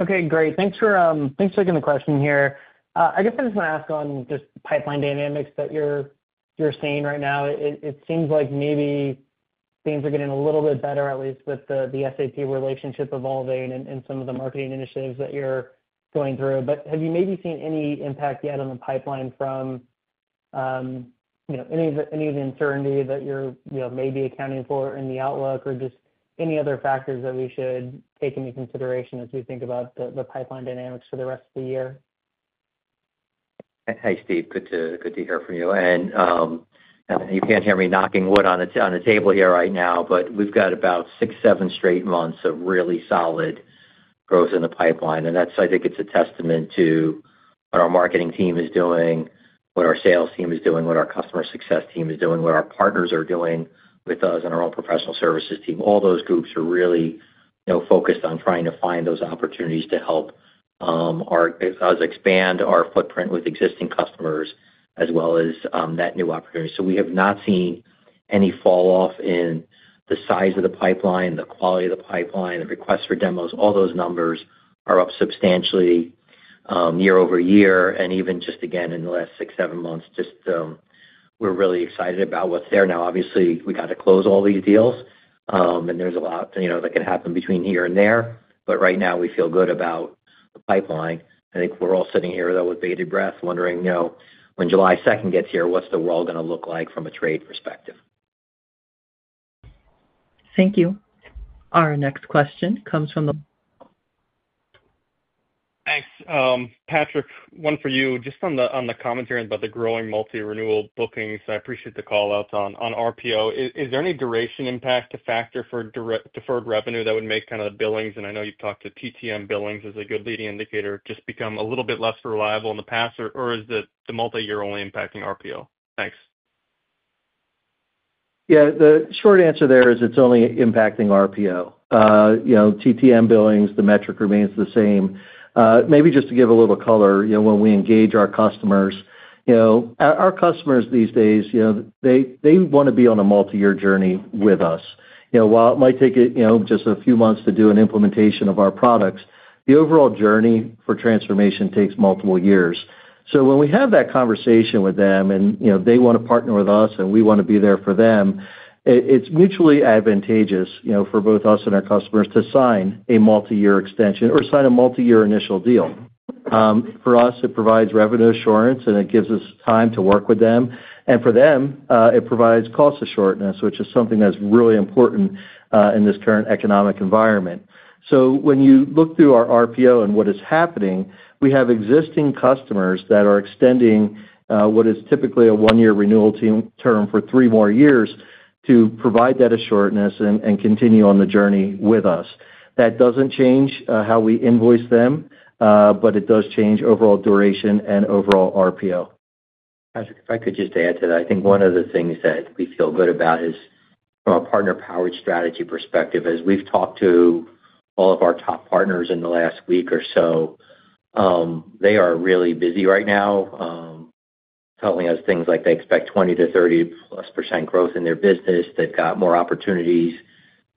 Okay. Great. Thanks for taking the question here. I guess I just want to ask on just pipeline dynamics that you're seeing right now. It seems like maybe things are getting a little bit better, at least with the SAP relationship evolving and some of the marketing initiatives that you're going through. Have you maybe seen any impact yet on the pipeline from any of the uncertainty that you're maybe accounting for in the outlook or just any other factors that we should take into consideration as we think about the pipeline dynamics for the rest of the year? Hey, Steve. Good to hear from you. You can't hear me knocking wood on the table here right now, but we've got about six or seven straight months of really solid growth in the pipeline. I think it's a testament to what our marketing team is doing, what our sales team is doing, what our customer success team is doing, what our partners are doing with us, and our own professional services team. All those groups are really focused on trying to find those opportunities to help us expand our footprint with existing customers as well as that new opportunity. We have not seen any falloff in the size of the pipeline, the quality of the pipeline, the requests for demos. All those numbers are up substantially year over year. Even just, again, in the last six or seven months, we're really excited about what's there now. Obviously, we got to close all these deals. There is a lot that can happen between here and there. Right now, we feel good about the pipeline. I think we are all sitting here with bated breath wondering, when July 2nd gets here, what is the world going to look like from a trade perspective. Thank you. Our next question comes from the Thanks. Patrick, one for you. Just on the commentary about the growing multi-renewal bookings, I appreciate the call-outs on RPO. Is there any duration impact factor for deferred revenue that would make kind of the billings? I know you have talked to TTM billings as a good leading indicator. Just become a little bit less reliable in the past? Or is the multi-year only impacting RPO? Thanks. Yeah. The short answer there is it is only impacting RPO. TTM billings, the metric remains the same. Maybe just to give a little color, when we engage our customers, our customers these days, they want to be on a multi-year journey with us. While it might take just a few months to do an implementation of our products, the overall journey for transformation takes multiple years. When we have that conversation with them and they want to partner with us and we want to be there for them, it's mutually advantageous for both us and our customers to sign a multi-year extension or sign a multi-year initial deal. For us, it provides revenue assurance and it gives us time to work with them. For them, it provides cost assurance, which is something that's really important in this current economic environment. When you look through our RPO and what is happening, we have existing customers that are extending what is typically a one-year renewal term for three more years to provide that assurance and continue on the journey with us. That does not change how we invoice them, but it does change overall duration and overall RPO. Patrick, if I could just add to that, I think one of the things that we feel good about is from a partner-powered strategy perspective, as we have talked to all of our top partners in the last week or so, they are really busy right now, telling us things like they expect 20-30+% growth in their business. They have got more opportunities.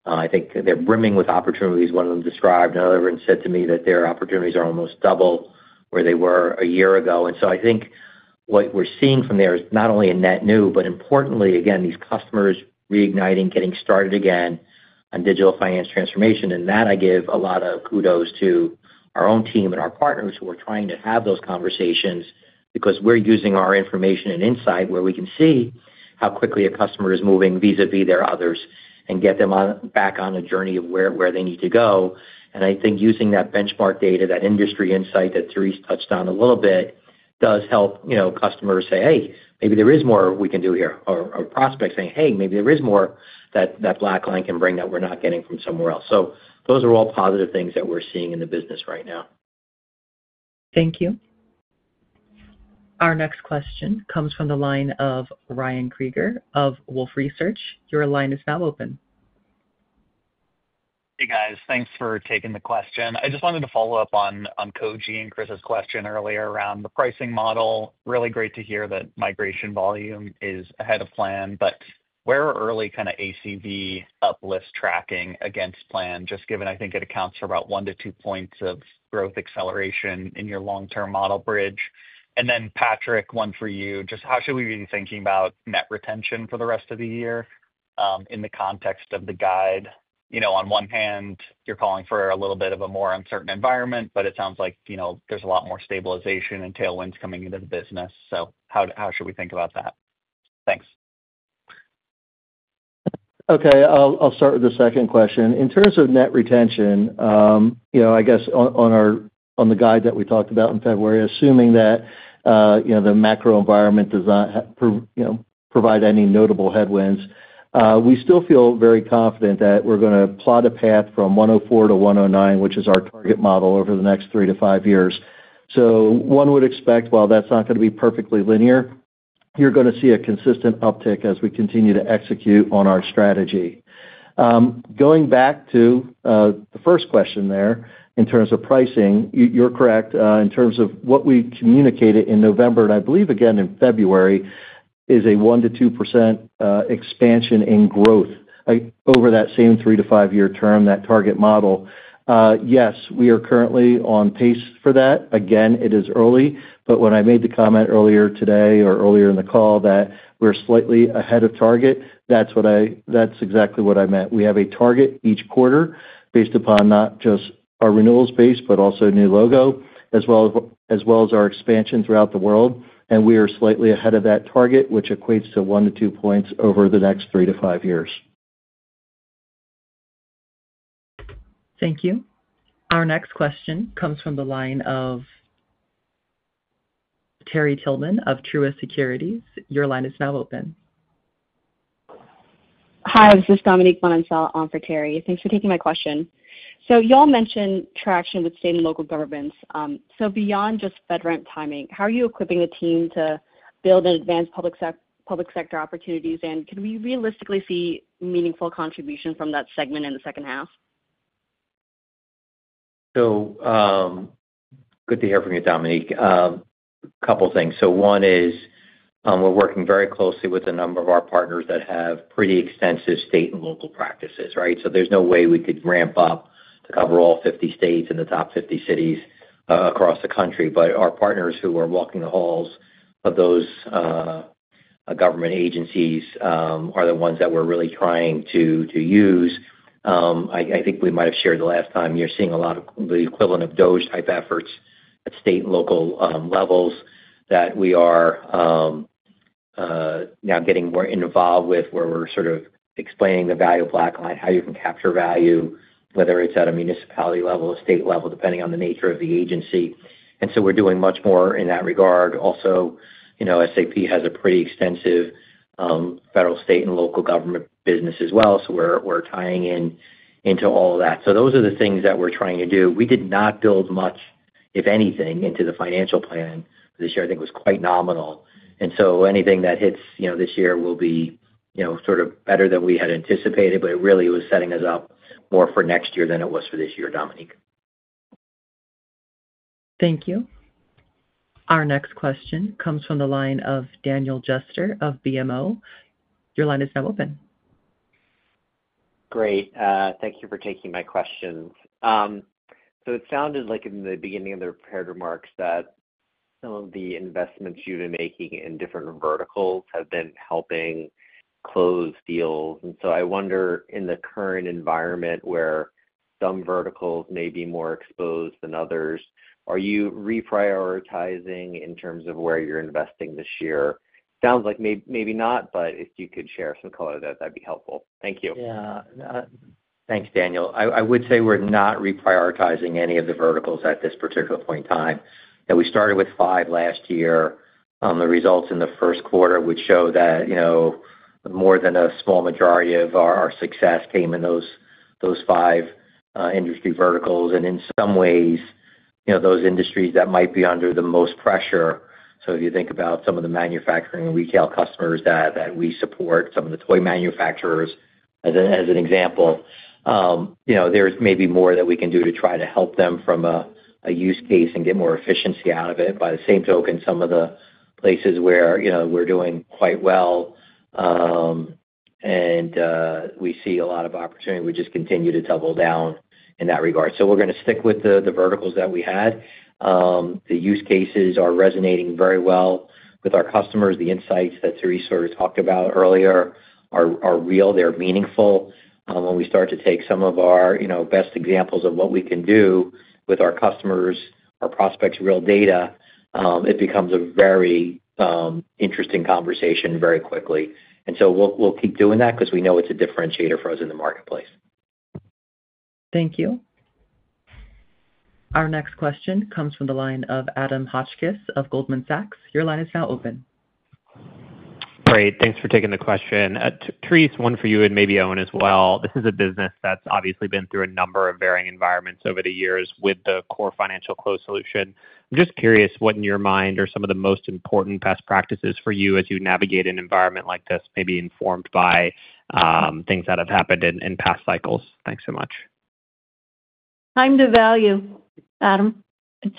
I think they are brimming with opportunities, one of them described. Another one said to me that their opportunities are almost double where they were a year ago. I think what we're seeing from there is not only a net new, but importantly, again, these customers reigniting, getting started again on digital finance transformation. I give a lot of kudos to our own team and our partners who are trying to have those conversations because we're using our information and insight where we can see how quickly a customer is moving vis-à-vis their others and get them back on a journey of where they need to go. I think using that benchmark data, that industry insight that Therese touched on a little bit, does help customers say, "Hey, maybe there is more we can do here," or prospects saying, "Hey, maybe there is more that BlackLine can bring that we're not getting from somewhere else." Those are all positive things that we're seeing in the business right now. Thank you. Our next question comes from the line of Ryan Krieger of Wolfe Research. Your line is now open. Hey, guys. Thanks for taking the question. I just wanted to follow up on Koji and Chris's question earlier around the pricing model. Really great to hear that migration volume is ahead of plan. Where are early kind of ACV uplift tracking against plan, just given I think it accounts for about one to two points of growth acceleration in your long-term model bridge? Patrick, one for you. How should we be thinking about net retention for the rest of the year in the context of the guide? On one hand, you're calling for a little bit of a more uncertain environment, but it sounds like there's a lot more stabilization and tailwinds coming into the business. How should we think about that? Thanks. Okay. I'll start with the second question. In terms of net retention, I guess on the guide that we talked about in February, assuming that the macro environment does not provide any notable headwinds, we still feel very confident that we're going to plot a path from 104% to 109%, which is our target model over the next three to five years. One would expect, while that's not going to be perfectly linear, you're going to see a consistent uptick as we continue to execute on our strategy. Going back to the first question there in terms of pricing, you're correct. In terms of what we communicated in November, and I believe, again, in February, is a 1%-2% expansion in growth over that same three to five-year term, that target model. Yes, we are currently on pace for that. Again, it is early. When I made the comment earlier today or earlier in the call that we're slightly ahead of target, that's exactly what I meant. We have a target each quarter based upon not just our renewals base, but also new logo, as well as our expansion throughout the world. We are slightly ahead of that target, which equates to one to two points over the next three to five years. Thank you. Our next question comes from the line of Terry Tillman of Truist Securities. Your line is now open. Hi. This is Dominique Manansala, on for Terry. Thanks for taking my question. Y'all mentioned traction with state and local governments. Beyond just FedRAMP timing, how are you equipping the team to build and advance public sector opportunities? Can we realistically see meaningful contribution from that segment in the second half? Good to hear from you, Dominique. A couple of things. One is we're working very closely with a number of our partners that have pretty extensive state and local practices, right? There's no way we could ramp up to cover all 50 states and the top 50 cities across the country. Our partners who are walking the halls of those government agencies are the ones that we're really trying to use. I think we might have shared the last time you're seeing a lot of the equivalent of DOGE-type efforts at state and local levels that we are now getting more involved with, where we're sort of explaining the value of BlackLine, how you can capture value, whether it's at a municipality level, a state level, depending on the nature of the agency. We're doing much more in that regard. Also, SAP has a pretty extensive federal, state, and local government business as well. We are tying into all of that. Those are the things that we are trying to do. We did not build much, if anything, into the financial plan. This year, I think, was quite nominal. Anything that hits this year will be sort of better than we had anticipated. It really was setting us up more for next year than it was for this year, Dominique. Thank you. Our next question comes from the line of Daniel Jester of BMO. Your line is now open. Great. Thank you for taking my questions. It sounded like in the beginning of the prepared remarks that some of the investments you have been making in different verticals have been helping close deals. I wonder, in the current environment where some verticals may be more exposed than others, are you reprioritizing in terms of where you're investing this year? Sounds like maybe not, but if you could share some color of that, that'd be helpful. Thank you. Yeah. Thanks, Daniel. I would say we're not reprioritizing any of the verticals at this particular point in time. We started with five last year. The results in the first quarter would show that more than a small majority of our success came in those five industry verticals. In some ways, those industries that might be under the most pressure, if you think about some of the manufacturing and retail customers that we support, some of the toy manufacturers, as an example, there may be more that we can do to try to help them from a use case and get more efficiency out of it. By the same token, some of the places where we're doing quite well and we see a lot of opportunity, we just continue to double down in that regard. We're going to stick with the verticals that we had. The use cases are resonating very well with our customers. The insights that Therese sort of talked about earlier are real. They're meaningful. When we start to take some of our best examples of what we can do with our customers, our prospects, real data, it becomes a very interesting conversation very quickly. We will keep doing that because we know it is a differentiator for us in the marketplace. Thank you. Our next question comes from the line of Adam Hotchkiss of Goldman Sachs. Your line is now open. Great. Thanks for taking the question. Therese, one for you and maybe Owen as well. This is a business that has obviously been through a number of varying environments over the years with the core financial close solution. I am just curious what, in your mind, are some of the most important best practices for you as you navigate an environment like this, maybe informed by things that have happened in past cycles? Thanks so much. Time to value, Adam.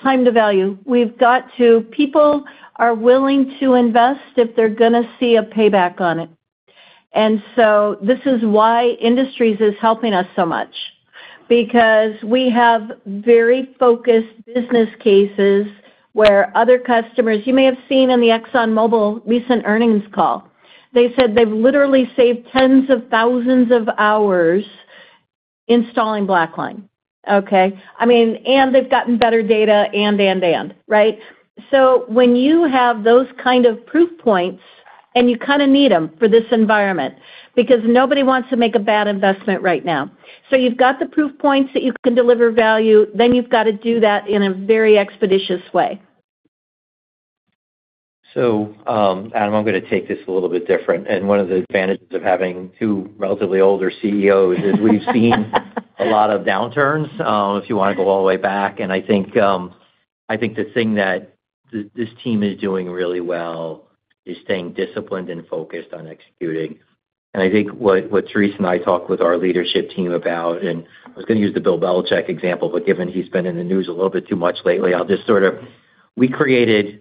Time to value. We've got to people are willing to invest if they're going to see a payback on it. This is why Industries is helping us so much. Because we have very focused business cases where other customers you may have seen in the ExxonMobil recent earnings call. They said they've literally saved tens of thousands of hours installing BlackLine, okay? I mean, and they've gotten better data and, and, and, right? When you have those kind of proof points, and you kind of need them for this environment because nobody wants to make a bad investment right now. You've got the proof points that you can deliver value, then you've got to do that in a very expeditious way. Adam, I'm going to take this a little bit different. One of the advantages of having two relatively older CEOs is we've seen a lot of downturns if you want to go all the way back. I think the thing that this team is doing really well is staying disciplined and focused on executing. I think what Therese and I talked with our leadership team about, and I was going to use the Bill Belichick example, but given he's been in the news a little bit too much lately, I'll just sort of say we created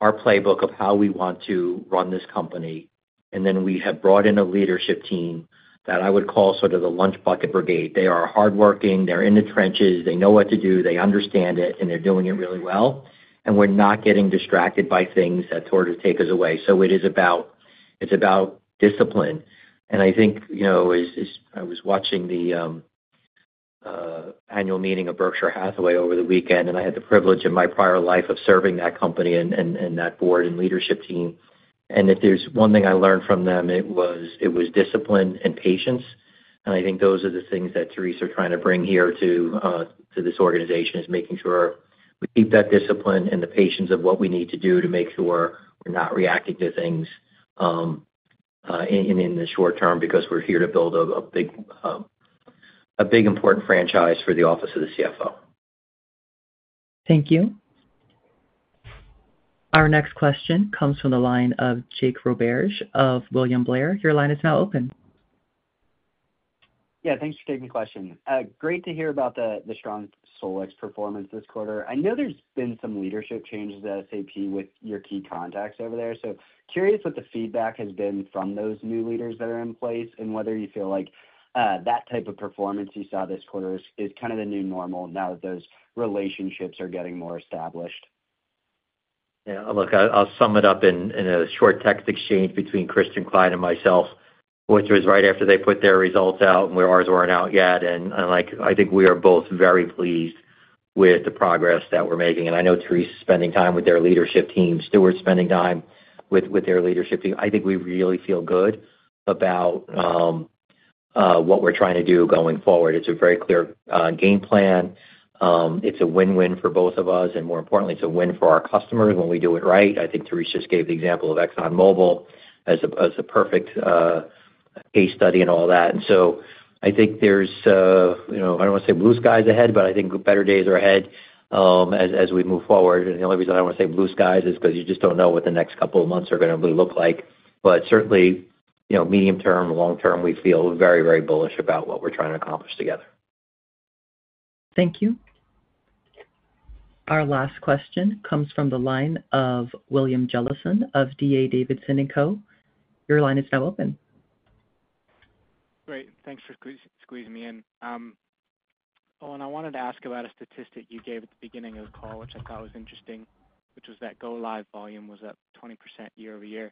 our playbook of how we want to run this company. We have brought in a leadership team that I would call sort of the lunch bucket brigade. They are hardworking. They're in the trenches. They know what to do. They understand it. They're doing it really well. We're not getting distracted by things that sort of take us away. It is about discipline. I think I was watching the annual meeting of Berkshire Hathaway over the weekend, and I had the privilege in my prior life of serving that company and that board and leadership team. If there's one thing I learned from them, it was discipline and patience. I think those are the things that Therese is trying to bring here to this organization, making sure we keep that discipline and the patience of what we need to do to make sure we're not reacting to things in the short term because we're here to build a big important franchise for the office of the CFO. Thank you. Our next question comes from the line of Jake Roberge of William Blair. Your line is now open. Yeah. Thanks for taking the question. Great to hear about the strong Solex performance this quarter. I know there's been some leadership changes at SAP with your key contacts over there. Curious what the feedback has been from those new leaders that are in place and whether you feel like that type of performance you saw this quarter is kind of the new normal now that those relationships are getting more established. Yeah. Look, I'll sum it up in a short text exchange between Christian Klein and myself, which was right after they put their results out and where ours were not out yet. I think we are both very pleased with the progress that we're making. I know Therese is spending time with their leadership team. Stuart's spending time with their leadership team. I think we really feel good about what we're trying to do going forward. It's a very clear game plan. It's a win-win for both of us. More importantly, it's a win for our customers when we do it right. I think Therese just gave the example of ExxonMobil as a perfect case study and all that. I think there's, I don't want to say blue skies ahead, but I think better days are ahead as we move forward. The only reason I don't want to say blue skies is because you just don't know what the next couple of months are going to look like. Certainly, medium term, long term, we feel very, very bullish about what we're trying to accomplish together. Thank you. Our last question comes from the line of William Jellison of D.A. Davidson & Co. Your line is now open. Great. Thanks for squeezing me in. Oh, and I wanted to ask about a statistic you gave at the beginning of the call, which I thought was interesting, which was that go-live volume was up 20% year over year.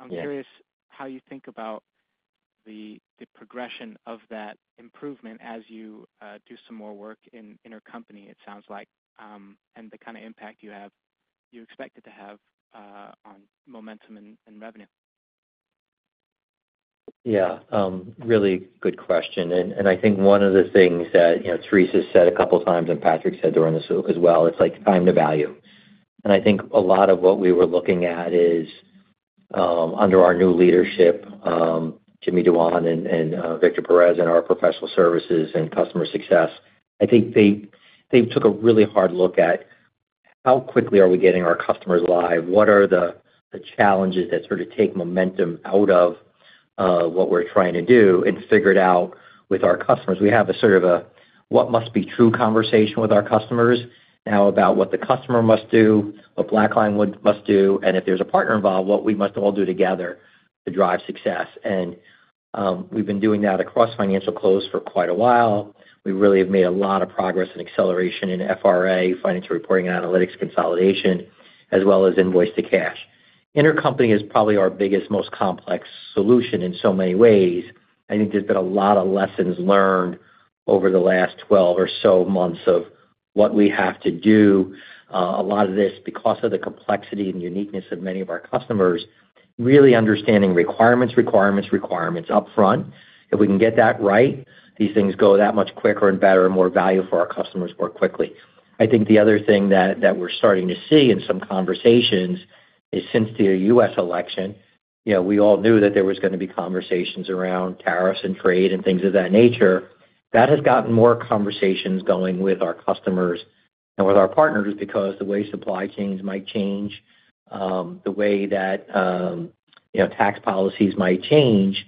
I'm curious how you think about the progression of that improvement as you do some more work in your company, it sounds like, and the kind of impact you expect it to have on momentum and revenue. Yeah. Really good question. I think one of the things that Therese has said a couple of times and Patrick said during this as well, it's like time to value. I think a lot of what we were looking at is under our new leadership, Jimmy Dewan and Victor Perez in our professional services and customer success. I think they took a really hard look at how quickly are we getting our customers live? What are the challenges that sort of take momentum out of what we're trying to do and figure it out with our customers? We have a sort of a what-must-be-true conversation with our customers now about what the customer must do, what BlackLine must do, and if there's a partner involved, what we must all do together to drive success. We've been doing that across financial close for quite a while. We really have made a lot of progress and acceleration in FRA, financial reporting and analytics consolidation, as well as invoice-to-cash. Intercompany is probably our biggest, most complex solution in so many ways. I think there's been a lot of lessons learned over the last 12 or so months of what we have to do. A lot of this because of the complexity and uniqueness of many of our customers, really understanding requirements, requirements, requirements upfront. If we can get that right, these things go that much quicker and better and more value for our customers more quickly. I think the other thing that we're starting to see in some conversations is since the U.S. election, we all knew that there was going to be conversations around tariffs and trade and things of that nature. That has gotten more conversations going with our customers and with our partners because the way supply chains might change, the way that tax policies might change,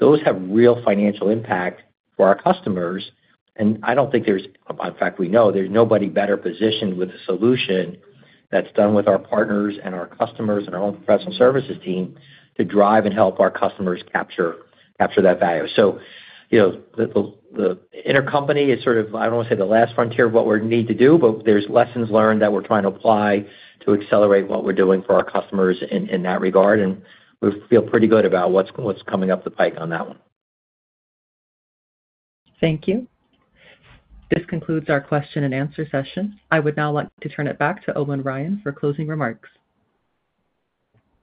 those have real financial impact for our customers. I don't think there's, in fact, we know there's nobody better positioned with a solution that's done with our partners and our customers and our own professional services team to drive and help our customers capture that value. The intercompany is sort of, I do not want to say the last frontier of what we need to do, but there are lessons learned that we are trying to apply to accelerate what we are doing for our customers in that regard. We feel pretty good about what is coming up the pike on that one. Thank you. This concludes our question-and-answer session. I would now like to turn it back to Owen Ryan for closing remarks.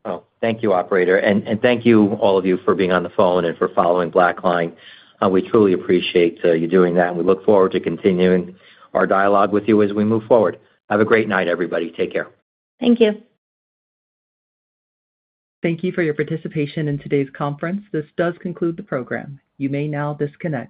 Oh, thank you, operator. Thank you, all of you, for being on the phone and for following BlackLine. We truly appreciate you doing that. We look forward to continuing our dialogue with you as we move forward. Have a great night, everybody. Take care. Thank you. Thank you for your participation in today's conference. This does conclude the program. You may now disconnect.